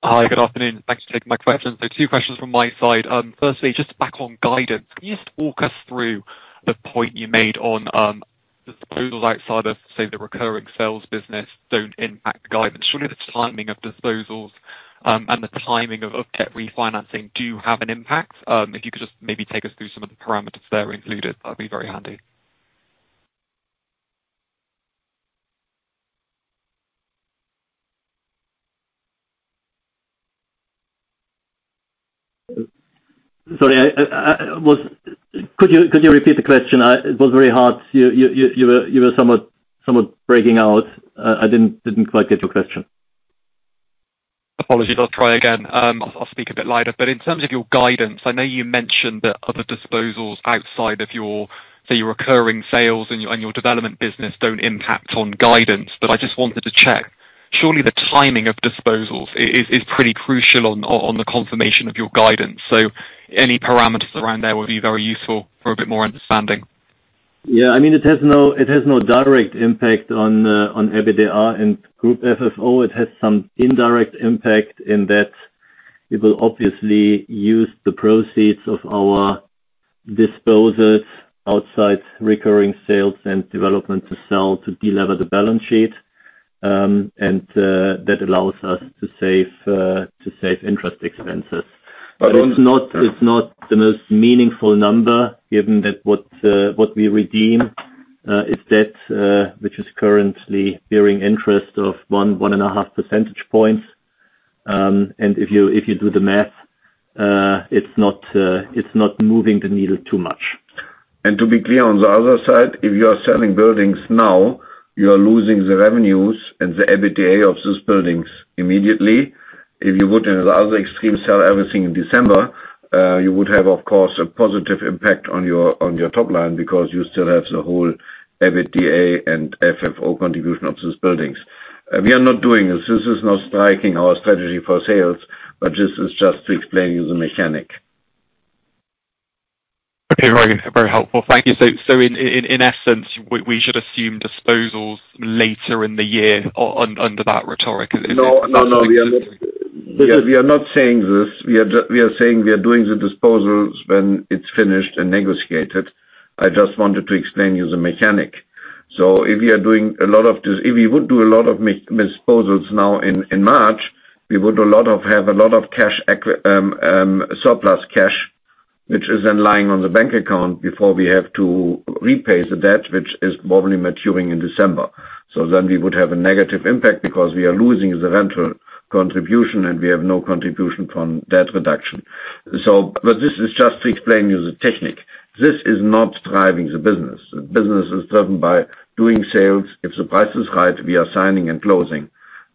Hi. Good afternoon. Thanks for taking my question. 2 questions from my side. Firstly, just back on guidance, can you just walk us through the point you made on the disposals outside of, say, the recurring sales business don't impact guidance. Surely the timing of disposals, and the timing of debt refinancing do have an impact. If you could just maybe take us through some of the parameters there included, that'd be very handy. Sorry, Could you repeat the question? It was very hard. You were somewhat breaking out. I didn't quite get your question. Apologies. I'll try again. I'll speak a bit louder. In terms of your guidance, I know you mentioned that other disposals outside of your, say, your recurring sales and your, and your development business don't impact on guidance. I just wanted to check. Surely the timing of disposals is pretty crucial on the confirmation of your guidance. Any parameters around there would be very useful for a bit more understanding. Yeah, I mean, it has no, it has no direct impact on EBITDA and Group FFO. It has some indirect impact in that we will obviously use the proceeds of our disposals outside recurring sales and development to delever the balance sheet. That allows us to save interest expenses. It's not, it's not the most meaningful number given that what we redeem is debt which is currently bearing interest of 1.5 percentage points. If you do the math, it's not, it's not moving the needle too much. To be clear on the other side, if you are selling buildings now, you are losing the revenues and the EBITDA of those buildings immediately. If you would, in the other extreme, sell everything in December, you would have of course a positive impact on your, on your top line because you still have the whole EBITDA and FFO contribution of those buildings. We are not doing this. This is not striking our strategy for sales, but this is just to explain you the mechanic. Okay. Very helpful. Thank you. In essence, we should assume disposals later in the year under that rhetoric. No, no. We are not saying this. We are saying we are doing the disposals when it's finished and negotiated. I just wanted to explain you the mechanic. If we are doing a lot of this, if we would do a lot of disposals now in March, we would have a lot of surplus cash, which is then lying on the bank account before we have to repay the debt, which is normally maturing in December. We would have a negative impact because we are losing the rental contribution and we have no contribution from debt reduction. This is just to explain you the technique. This is not driving the business. The business is driven by doing sales. If the price is right, we are signing and closing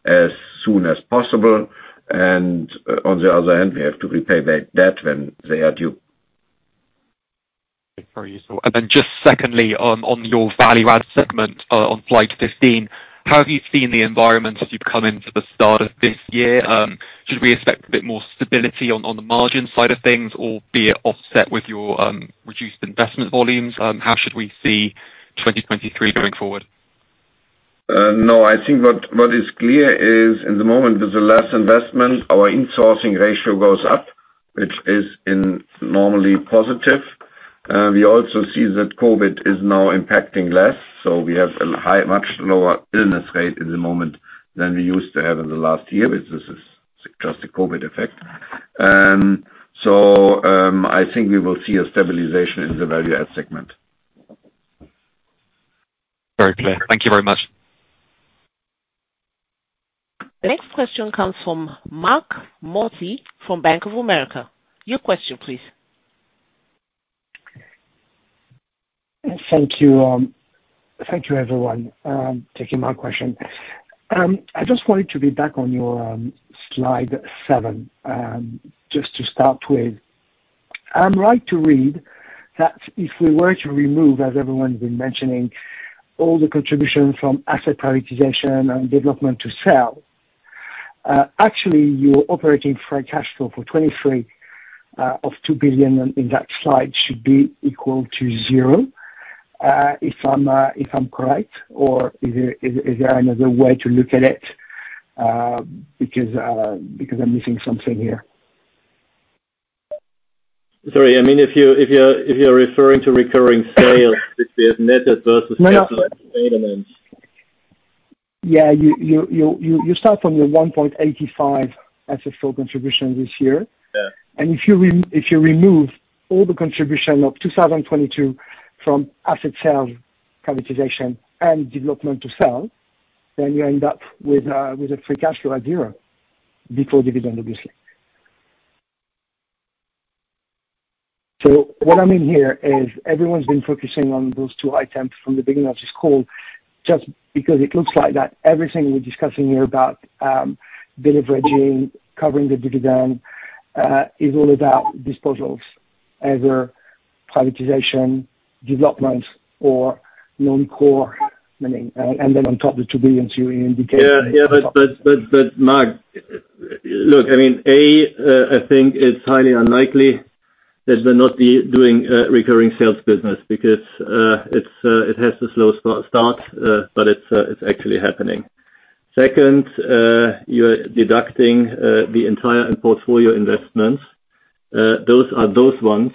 as soon as possible. On the other hand, we have to repay back debt when they are due. Very useful. Just secondly on your value add segment, on slide 15, how have you seen the environment as you've come into the start of this year? Should we expect a bit more stability on the margin side of things or be it offset with your reduced investment volumes? How should we see 2023 going forward? No. I think what is clear is in the moment with the less investment, our insourcing ratio goes up, which is in normally positive. We also see that COVID is now impacting less, so we have a high, much lower illness rate at the moment than we used to have in the last year. This is just a COVID effect. I think we will see a stabilization in the value add segment. Very clear. Thank you very much. Next question comes from Marc Mozzi from Bank of America. Your question, please. Thank you. Thank you everyone, taking my question. I just wanted to be back on your slide seven, just to start with. I'm right to read that if we were to remove, as everyone's been mentioning, all the contribution from asset privatization and development to sale, actually your operating free cash flow for 2023, of 2 billion in that slide should be equal to zero, if I'm correct? Is there another way to look at it, because I'm missing something here. Sorry. I mean, if you're referring to recurring sales, which is netted versus- No, no. Capital statements. Yeah. You start from your 1.85 FFO contribution this year. Yeah. If you remove all the contribution of 2022 from asset sales, privatization and development to sale, then you end up with a free cash flow at 0 before dividend, obviously. What I mean here is everyone's been focusing on those two items from the beginning of this call, just because it looks like that everything we're discussing here about deleveraging, covering the dividend, is all about disposals. Either privatization, development or non-core money. Then on top the EUR 2 billion you indicated. Yeah. Yeah. Marc, look, I mean, A, I think it's highly unlikely that we'll not be doing recurring sales business because it has the slow start, but it's actually happening. Second, you're deducting the entire portfolio investments. Those are those ones,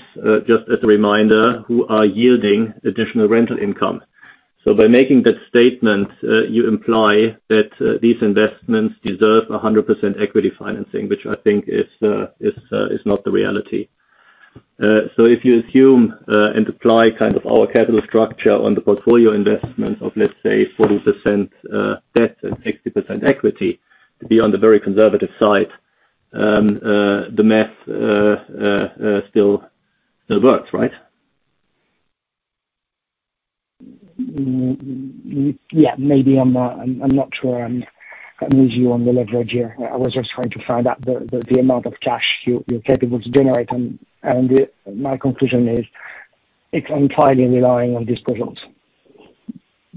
just as a reminder, who are yielding additional rental income. By making that statement, you imply that these investments deserve 100% equity financing, which I think is not the reality. If you assume and apply kind of our capital structure on the portfolio investment of, let's say 40% debt and 60% equity to be on the very conservative side, the math still works, right? Yeah. Maybe I'm not sure I'm with you on the leverage here. I was just trying to find out the amount of cash you're capable to generate and the. My conclusion is it's entirely relying on disposals,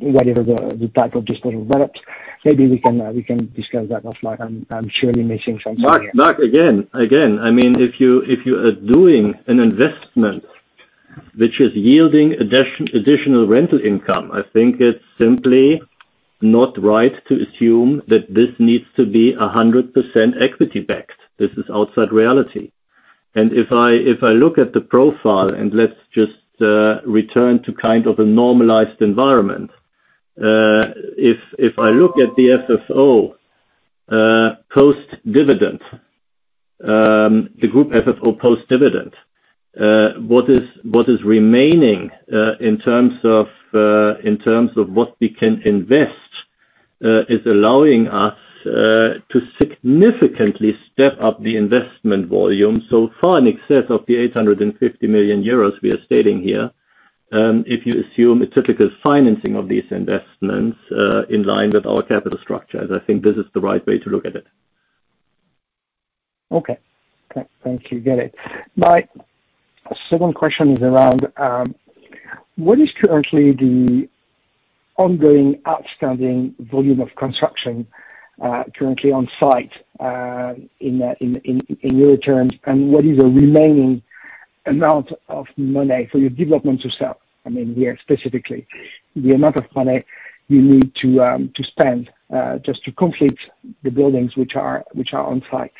whatever the type of disposal develops. Maybe we can discuss that offline. I'm surely missing something here. Marc, again, I mean, if you are doing an investment which is yielding additional rental income, I think it's simply not right to assume that this needs to be 100% equity backed. This is outside reality. If I look at the profile and let's just return to kind of a normalized environment, if I look at the FFO post-dividend, the Group FFO post-dividend, what is remaining in terms of what we can invest is allowing us to significantly step up the investment volume so far in excess of 850 million euros we are stating here, if you assume a typical financing of these investments in line with our Capital Structure. I think this is the right way to look at it. Okay. Thank you. Get it. My second question is around what is currently the ongoing outstanding volume of construction currently on site in your terms? What is the remaining amount of money for your development to sell? I mean, here specifically. The amount of money you need to spend just to complete the buildings which are on site.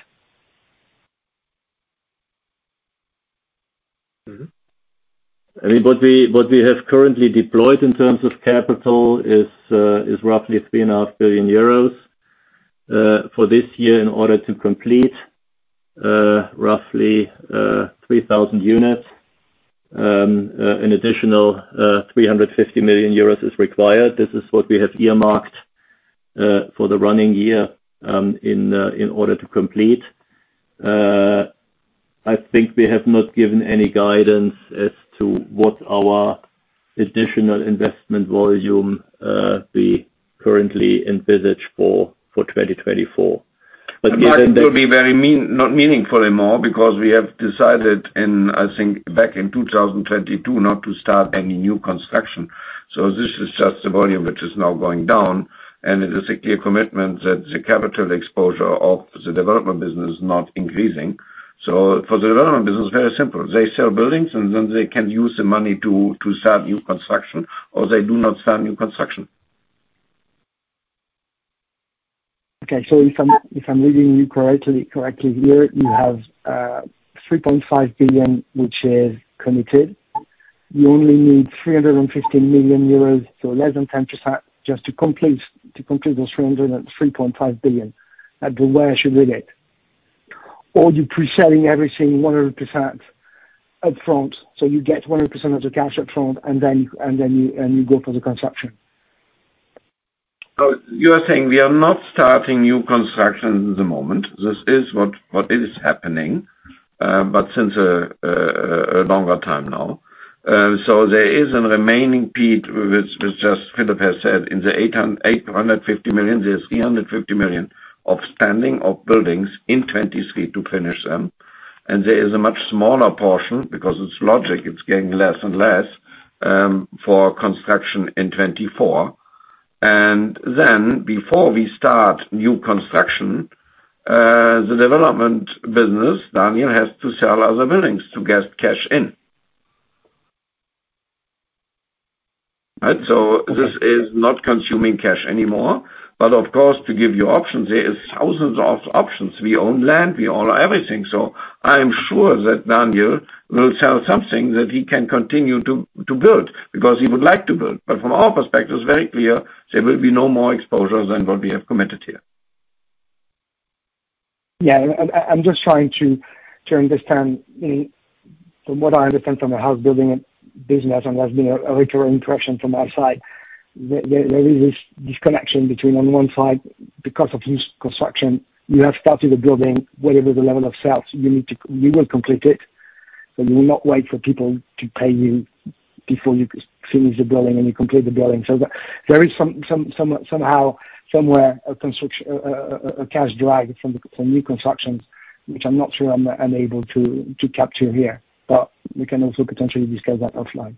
I mean, what we have currently deployed in terms of capital is roughly 3.5 billion euros for this year in order to complete roughly 3,000 units. An additional 350 million euros is required. This is what we have earmarked for the running year in order to complete. I think we have not given any guidance as to what our additional investment volume we currently envisage for 2024. It will be very not meaningful anymore because we have decided in, I think back in 2022, not to start any new construction. This is just the volume which is now going down. It is a clear commitment that the capital exposure of the development business is not increasing. For the development business, very simple. They sell buildings and then they can use the money to start new construction or they do not start new construction. If I'm reading you correctly here, you have 3.5 billion, which is committed. You only need 350 million euros, so less than 10% just to complete those 303.5 billion. That's the way I should read it. Or you're pre-selling everything 100% up front, so you get 100% of the cash up front and then you go for the construction. You are saying we are not starting new construction at the moment. This is what is happening, but since a longer time now. So there is a remaining peak, which just Philip has said, in the 850 million, there's 350 million of standing of buildings in 2023 to finish them. There is a much smaller portion because it's logic, it's getting less and less for construction in 2024. Before we start new construction, the development business, Daniel has to sell other buildings to get cash in. Right? This is not consuming cash anymore, of course, to give you options, there is thousands of options. We own land, we own everything. I am sure that Daniel will sell something that he can continue to build because he would like to build. From our perspective, it's very clear there will be no more exposure than what we have committed here. Yeah. I'm just trying to understand. From what I understand from the house building business, there's been a literal impression from our side, there is this disconnection between, on the one side, because of huge construction, you have started a building. Whatever the level of sales, you need to. You will complete it, you will not wait for people to pay you before you finish the building and you complete the building. There is somehow, somewhere a cash drag from the, from new constructions, which I'm not sure I'm able to capture here. We can also potentially discuss that offline.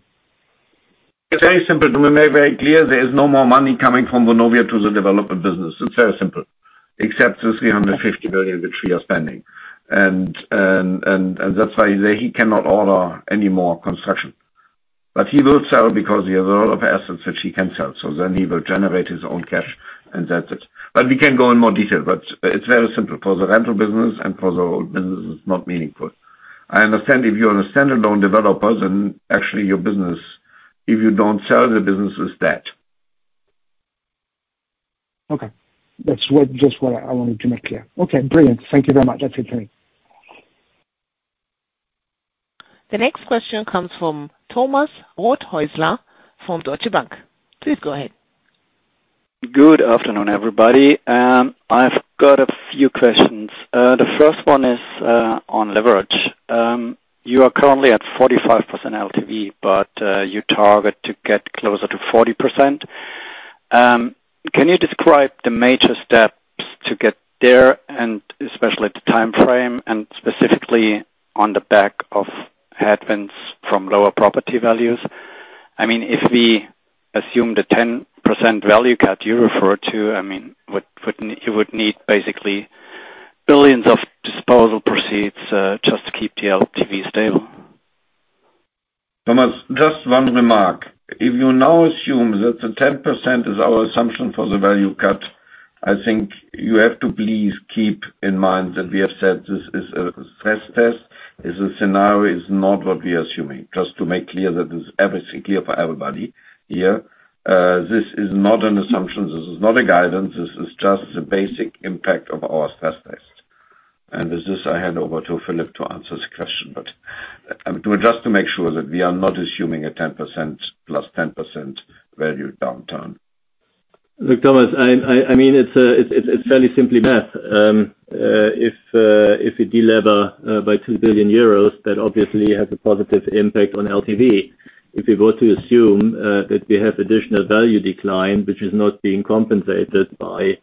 It's very simple. To be very clear, there is no more money coming from Vonovia to the development business. It's very simple. Except the 350 million which we are spending. That's why he cannot order any more construction. He will sell because he has a lot of assets which he can sell. He will generate his own cash, and that's it. We can go in more detail, but it's very simple. For the rental business and for the old business, it's not meaningful. I understand if you're a standalone developer, then actually your business, if you don't sell, the business is dead. Okay. That's just what I wanted to make clear. Okay, brilliant. Thank you very much. That's it for me. The next question comes from Thomas Rothaeusler from Deutsche Bank. Please go ahead. Good afternoon, everybody. I've got a few questions. The first one is on leverage. You are currently at 45% LTV, but you target to get closer to 40%. Can you describe the major steps to get there and especially the timeframe and specifically on the back of headwinds from lower property values? I mean, if we assume the 10% value cut you referred to, I mean, you would need basically billions of disposal proceeds just to keep the LTV stable. Thomas, just one remark. If you now assume that the 10% is our assumption for the value cut, I think you have to please keep in mind that we have said this is a stress test. As a scenario, it's not what we are assuming. Just to make clear that it's everything clear for everybody here. This is not an assumption. This is not a guidance. This is just the basic impact of our stress test. With this, I hand over to Philip to answer the question. Just to make sure that we are not assuming a 10%+10% value downturn. Look, Thomas, I mean, it's fairly simply math. If we de-lever by EUR 2 billion, that obviously has a positive impact on LTV. If we were to assume that we have additional value decline, which is not being compensated by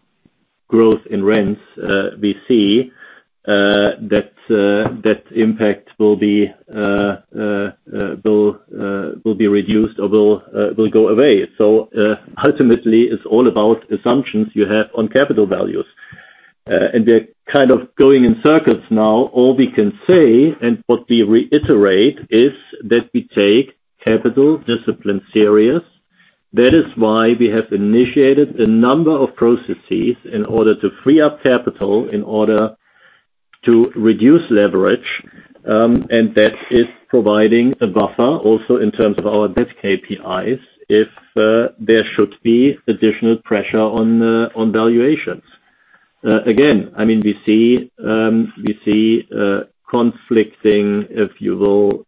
growth in rents, we see that impact will be reduced or will go away. Ultimately, it's all about assumptions you have on capital values. We're kind of going in circles now. All we can say, and what we reiterate, is that we take capital discipline serious. That is why we have initiated a number of processes in order to free up capital, in order to reduce leverage. That is providing a buffer also in terms of our debt KPIs, if there should be additional pressure on valuations. Again, I mean, we see conflicting, if you will,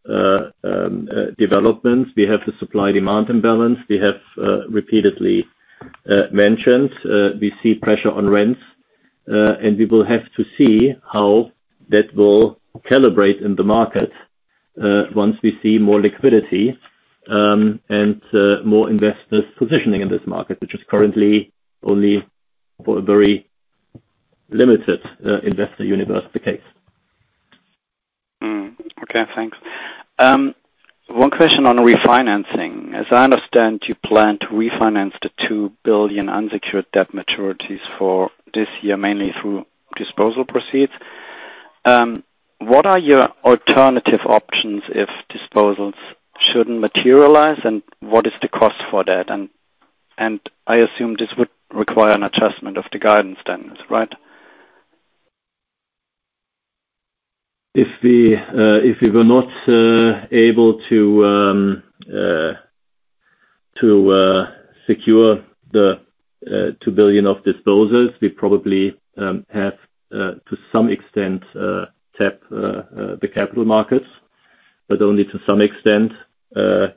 developments. We have the supply-demand imbalance we have repeatedly mentioned. We see pressure on rents, and we will have to see how that will calibrate in the market, once we see more liquidity, and more investors positioning in this market, which is currently only for a very limited investor universe the case. Okay. Thanks. One question on refinancing. As I understand, you plan to refinance the 2 billion unsecured debt maturities for this year, mainly through disposal proceeds. What are your alternative options if disposals shouldn't materialize, and what is the cost for that? I assume this would require an adjustment of the guidance then, right? If we were not able to secure the 2 billion of disposals, we probably have to some extent tap the capital markets. Only to some extent,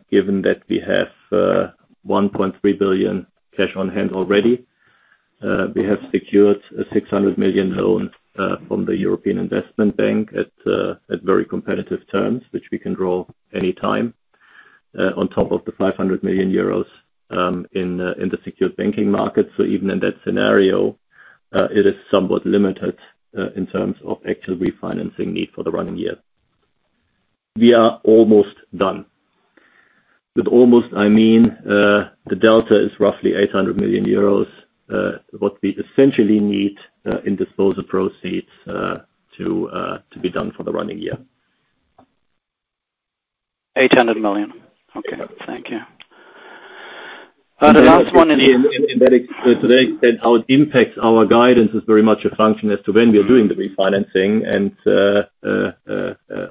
given that we have 1.3 billion cash on hand already, we have secured a 600 million loan from the European Investment Bank at very competitive terms, which we can draw anytime, on top of the 500 million euros in the secured banking market. Even in that scenario, it is somewhat limited in terms of actual refinancing need for the running year. We are almost done. With almost, I mean, the delta is roughly 800 million euros, what we essentially need, in disposal proceeds, to be done for the running year. 800 million. Yes. Okay, thank you. The last one. That ex-today and how it impacts our guidance is very much a function as to when we are doing the refinancing.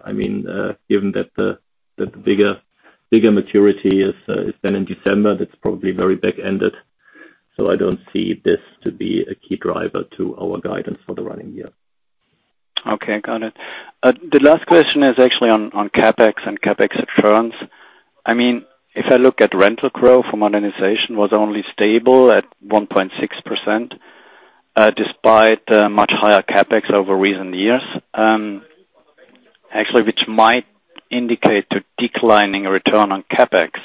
I mean, given that the bigger maturity is then in December, that's probably very back-ended. I don't see this to be a key driver to our guidance for the running year. Okay, got it. The last question is actually on CapEx and CapEx returns. I mean, if I look at rental growth from organization was only stable at 1.6%, despite much higher CapEx over recent years, actually, which might indicate to declining return on CapEx.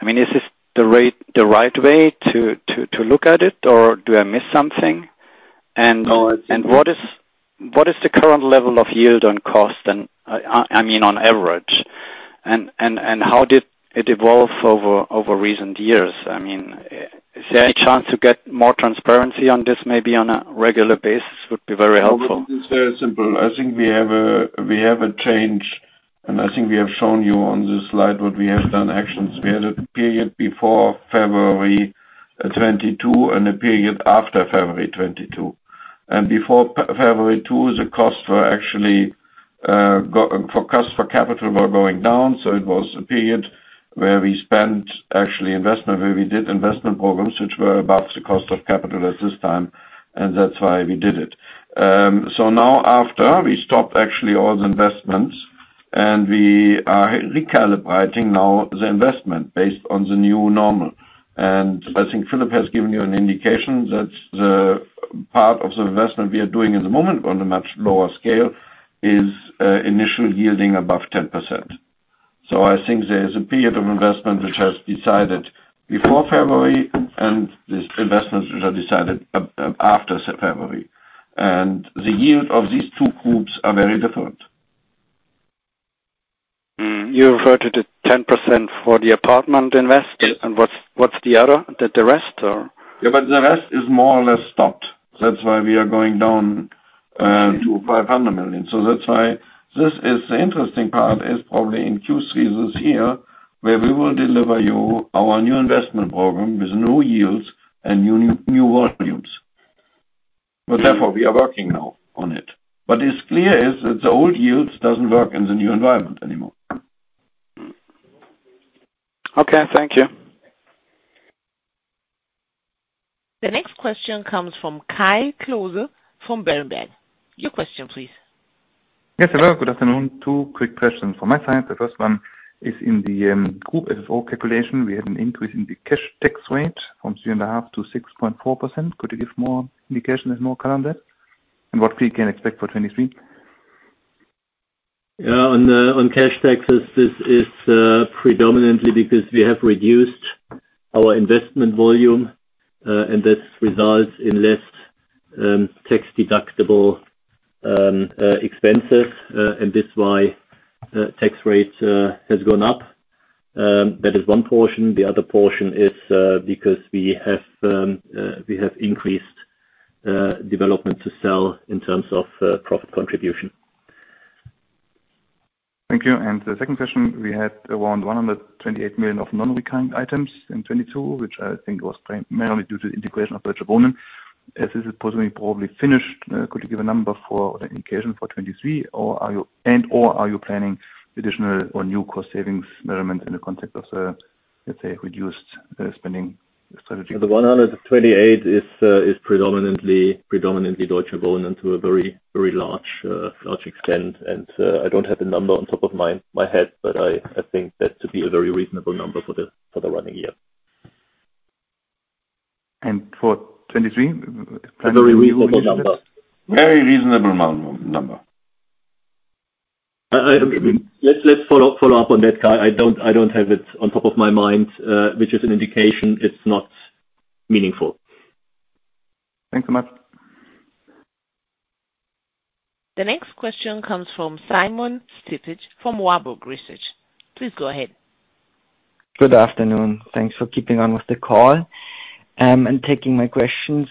I mean, is this the right way to look at it or do I miss something? No, I think- What is, what is the current level of yield on cost and, I mean on average? How did it evolve over recent years? I mean, is there any chance to get more transparency on this maybe on a regular basis would be very helpful. It's very simple. I think we have a change, and I think we have shown you on this slide what we have done actions. We had a period before February 22 and a period after February 22. Before February 2, the costs were actually for cost for capital were going down. It was a period where we spent actually investment, where we did investment programs which were above the cost of capital at this time. That's why we did it. Now after we stopped actually all the investments and we are recalibrating now the investment based on the new normal. I think Philip has given you an indication that the part of the investment we are doing at the moment on a much lower scale is initially yielding above 10%. I think there is a period of investment which has decided before February and these investments which are decided after February. The yield of these two groups are very different. You referred to the 10% for the apartment invest. Yes. What's the other? The rest or? Yeah, the rest is more or less stopped. That's why we are going down to 500 million. That's why this is the interesting part is probably in Q series here, where we will deliver you our new investment program with new yields and new volumes. Therefore, we are working now on it. What is clear is that the old yields doesn't work in the new environment anymore. Okay, thank you. The next question comes from Kai Klose from Berenberg. Your question, please. Yes, hello. Good afternoon. Two quick questions from my side. The first one is in the Group FFO calculation. We had an increase in the cash tax rate from 3.5% to 6.4%. Could you give more indication and more color on that, and what we can expect for 2023? On cash taxes, this is predominantly because we have reduced our investment volume, this results in less tax-deductible expenses. That's why tax rate has gone up. That is one portion. The other portion is because we have increased development to sell in terms of profit contribution. Thank you. The second question, we had around 128 million of non-recurring items in 2022, which I think was mainly due to integration of Deutsche Wohnen. As is it possibly probably finished, could you give a number for the indication for 2023 or are you and/or are you planning additional or new cost savings measurement in the context of, let's say, reduced spending strategy? The 128 is predominantly Deutsche Wohnen to a very large extent. I don't have the number on top of my head, but I think that to be a very reasonable number for the running year. For 2023? Very reasonable number. Let's follow up on that, Kai. I don't have it on top of my mind, which is an indication it's not meaningful. Thanks so much. The next question comes from Simon Stippig from Warburg Research. Please go ahead. Good afternoon. Thanks for keeping on with the call, and taking my questions.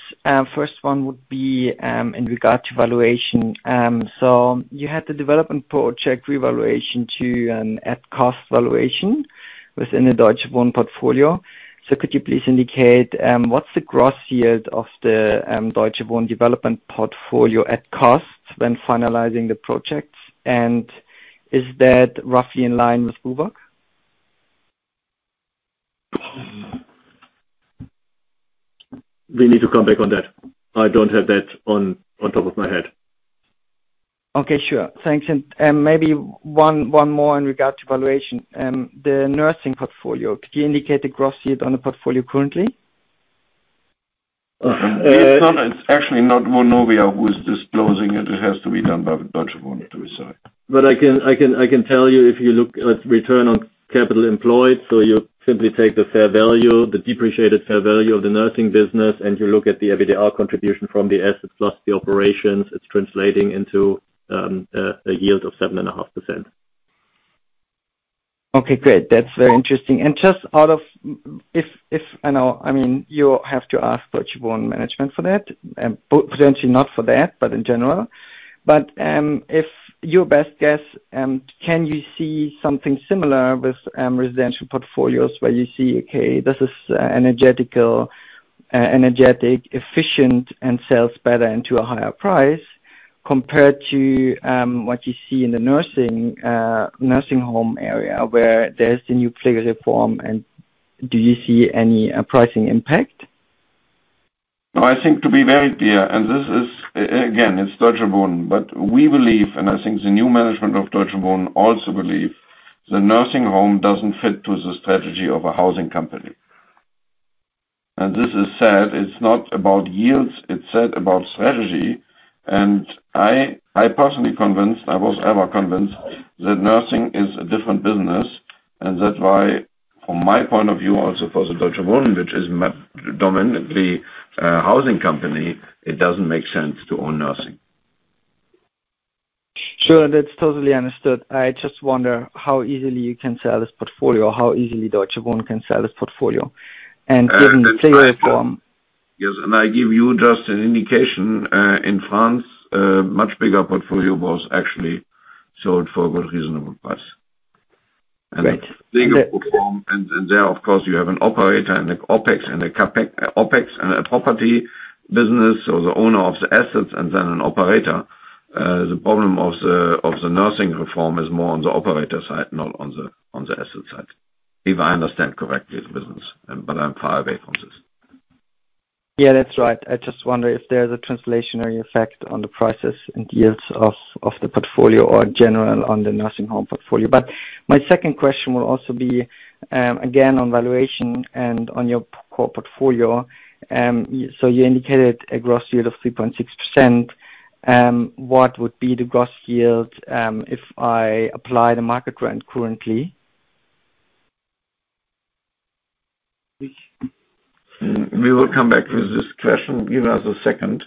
First one would be, in regard to valuation. You had the development project revaluation to an at cost valuation within the Deutsche Wohnen portfolio. Could you please indicate, what's the gross yield of the Deutsche Wohnen development portfolio at cost when finalizing the projects? Is that roughly in line with BUWOG? We need to come back on that. I don't have that on top of my head. Okay. Sure. Thanks. Maybe one more in regard to valuation. The nursing portfolio, could you indicate the gross yield on the portfolio currently? It's actually not Vonovia who is disclosing it. It has to be done by Deutsche Wohnen to be sorry. I can tell you, if you look at return on capital employed, you simply take the fair value, the depreciated fair value of the nursing business, and you look at the EBITDA contribution from the assets, plus the operations, it's translating into a yield of 7.5%. Okay, great. That's very interesting. Just out of I know, I mean, you have to ask Deutsche Wohnen management for that, potentially not for that, but in general. If your best guess, can you see something similar with residential portfolios where you see, okay, this is energetic, efficient, and sells better into a higher price compared to what you see in the nursing home area where there's the new care reform and do you see any pricing impact? No, I think to be very clear, this is again, it's Deutsche Wohnen. We believe, I think the new management of Deutsche Wohnen also believe, the nursing home doesn't fit to the strategy of a housing company. This is said, it's not about yields, it's said about strategy. I personally convinced, I was ever convinced that nursing is a different business, and that's why, from my point of view, also for the Deutsche Wohnen, which is dominantly a housing company, it doesn't make sense to own nursing. Sure. That's totally understood. I just wonder how easily you can sell this portfolio, how easily Deutsche Wohnen can sell this portfolio. Given the care reform- Yes. I give you just an indication. In France, a much bigger portfolio was actually sold for a reasonable price. Great. They go perform. There, of course, you have an operator and a CapEx and a OpEx and a property business, so the owner of the assets and then an operator. The problem of the nursing reform is more on the operator side, not on the asset side. If I understand correctly the business, but I'm far away from this. Yeah, that's right. I just wonder if there's a translationary effect on the prices and yields of the portfolio or general on the nursing home portfolio. My second question will also be again on valuation and on your core portfolio. You indicated a gross yield of 3.6%. What would be the gross yield if I apply the market rent currently? We will come back with this question. Give us a second.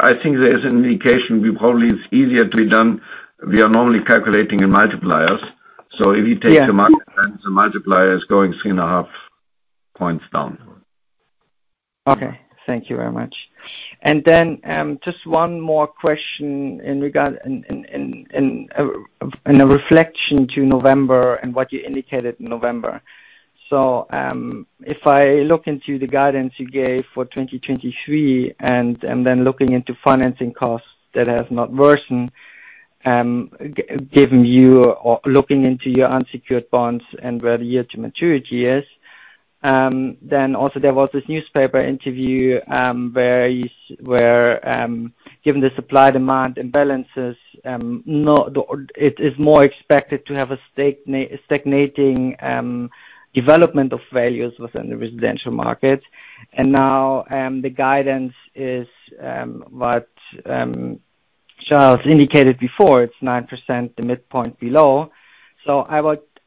I think there is an indication we probably it's easier to be done. We are normally calculating in multipliers. Yeah. If you take the multipliers, the multiplier is going 3.5 Points down. Thank you very much. Just one more question in regard in a reflection to November and what you indicated in November. If I look into the guidance you gave for 2023 and then looking into financing costs that has not worsened, given you or looking into your unsecured bonds and where the yield to maturity is, also there was this newspaper interview where you where given the supply-demand imbalances, It is more expected to have a stagnating development of values within the residential market. Now the guidance is what Charles indicated before, it's 9% the midpoint below.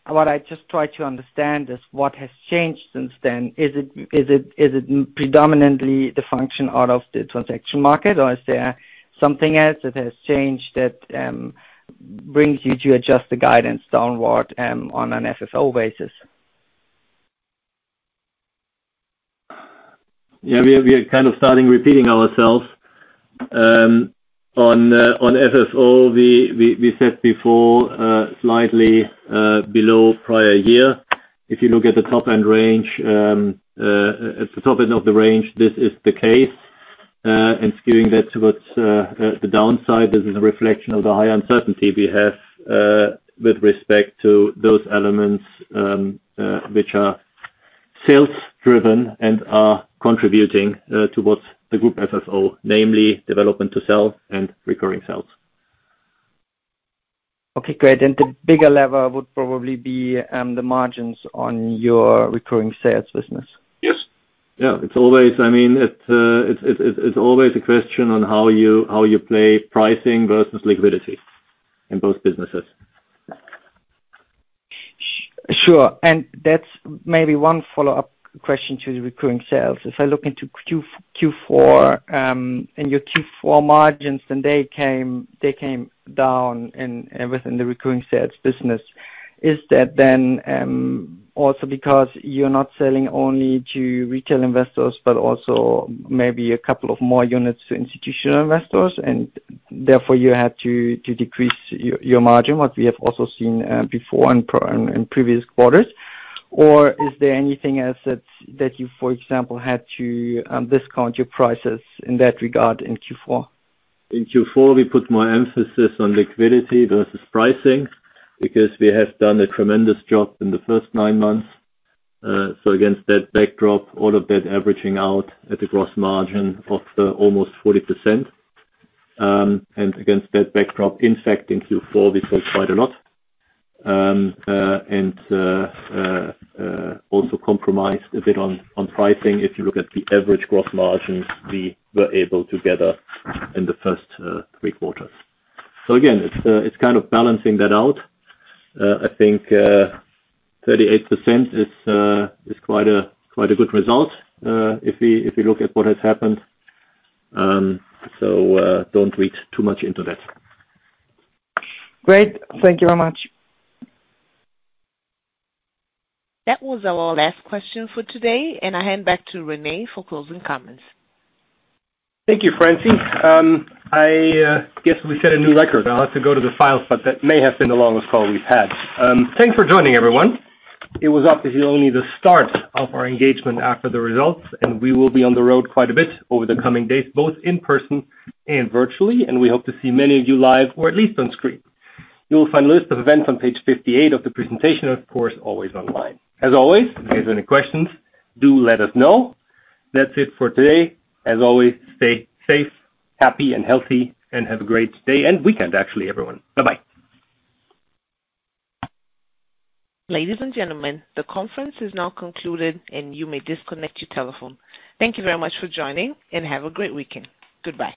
What I just try to understand is what has changed since then. Is it predominantly the function out of the transaction market, or is there something else that has changed that, brings you to adjust the guidance downward, on an FFO basis? Yeah. We are kind of starting repeating ourselves. On FFO, we said before, slightly below prior year. If you look at the top end range, at the top end of the range, this is the case, and skewing that towards the downside. This is a reflection of the high uncertainty we have with respect to those elements, which are sales driven and are contributing towards the Group FFO, namely development to sell and recurring sales. Okay, great. The bigger lever would probably be the margins on your recurring sales business. Yes. Yeah. It's always, I mean, it's always a question on how you play pricing versus liquidity in both businesses. Sure. That's maybe one follow-up question to the recurring sales. If I look into Q4, and your Q4 margins, then they came down and everything, the recurring sales business. Is that then, also because you're not selling only to retail investors, but also maybe a couple of more units to institutional investors, and therefore you had to decrease your margin, what we have also seen before in previous quarters? Is there anything else that you, for example, had to discount your prices in that regard in Q4? In Q4, we put more emphasis on liquidity versus pricing because we have done a tremendous job in the first nine months. Against that backdrop, all of that averaging out at a gross margin of almost 40%, and against that backdrop, in fact, in Q4 we sold quite a lot. And also compromised a bit on pricing if you look at the average gross margins we were able to gather in the first three quarters. Again, it's kind of balancing that out. I think 38% is quite a good result if we look at what has happened. Don't read too much into that. Great. Thank you very much. That was our last question for today, and I hand back to Rene for closing comments. Thank you, Francine. I guess we set a new record. I'll have to go to the files, but that may have been the longest call we've had. Thanks for joining everyone. It was obviously only the start of our engagement after the results. We will be on the road quite a bit over the coming days, both in person and virtually, and we hope to see many of you live or at least on screen. You will find a list of events on page 58 of the presentation, of course, always online. As always, if there's any questions, do let us know. That's it for today. As always, stay safe, happy and healthy, and have a great day and weekend actually, everyone. Bye-bye. Ladies and gentlemen, the conference is now concluded and you may disconnect your telephone. Thank you very much for joining and have a great weekend. Goodbye.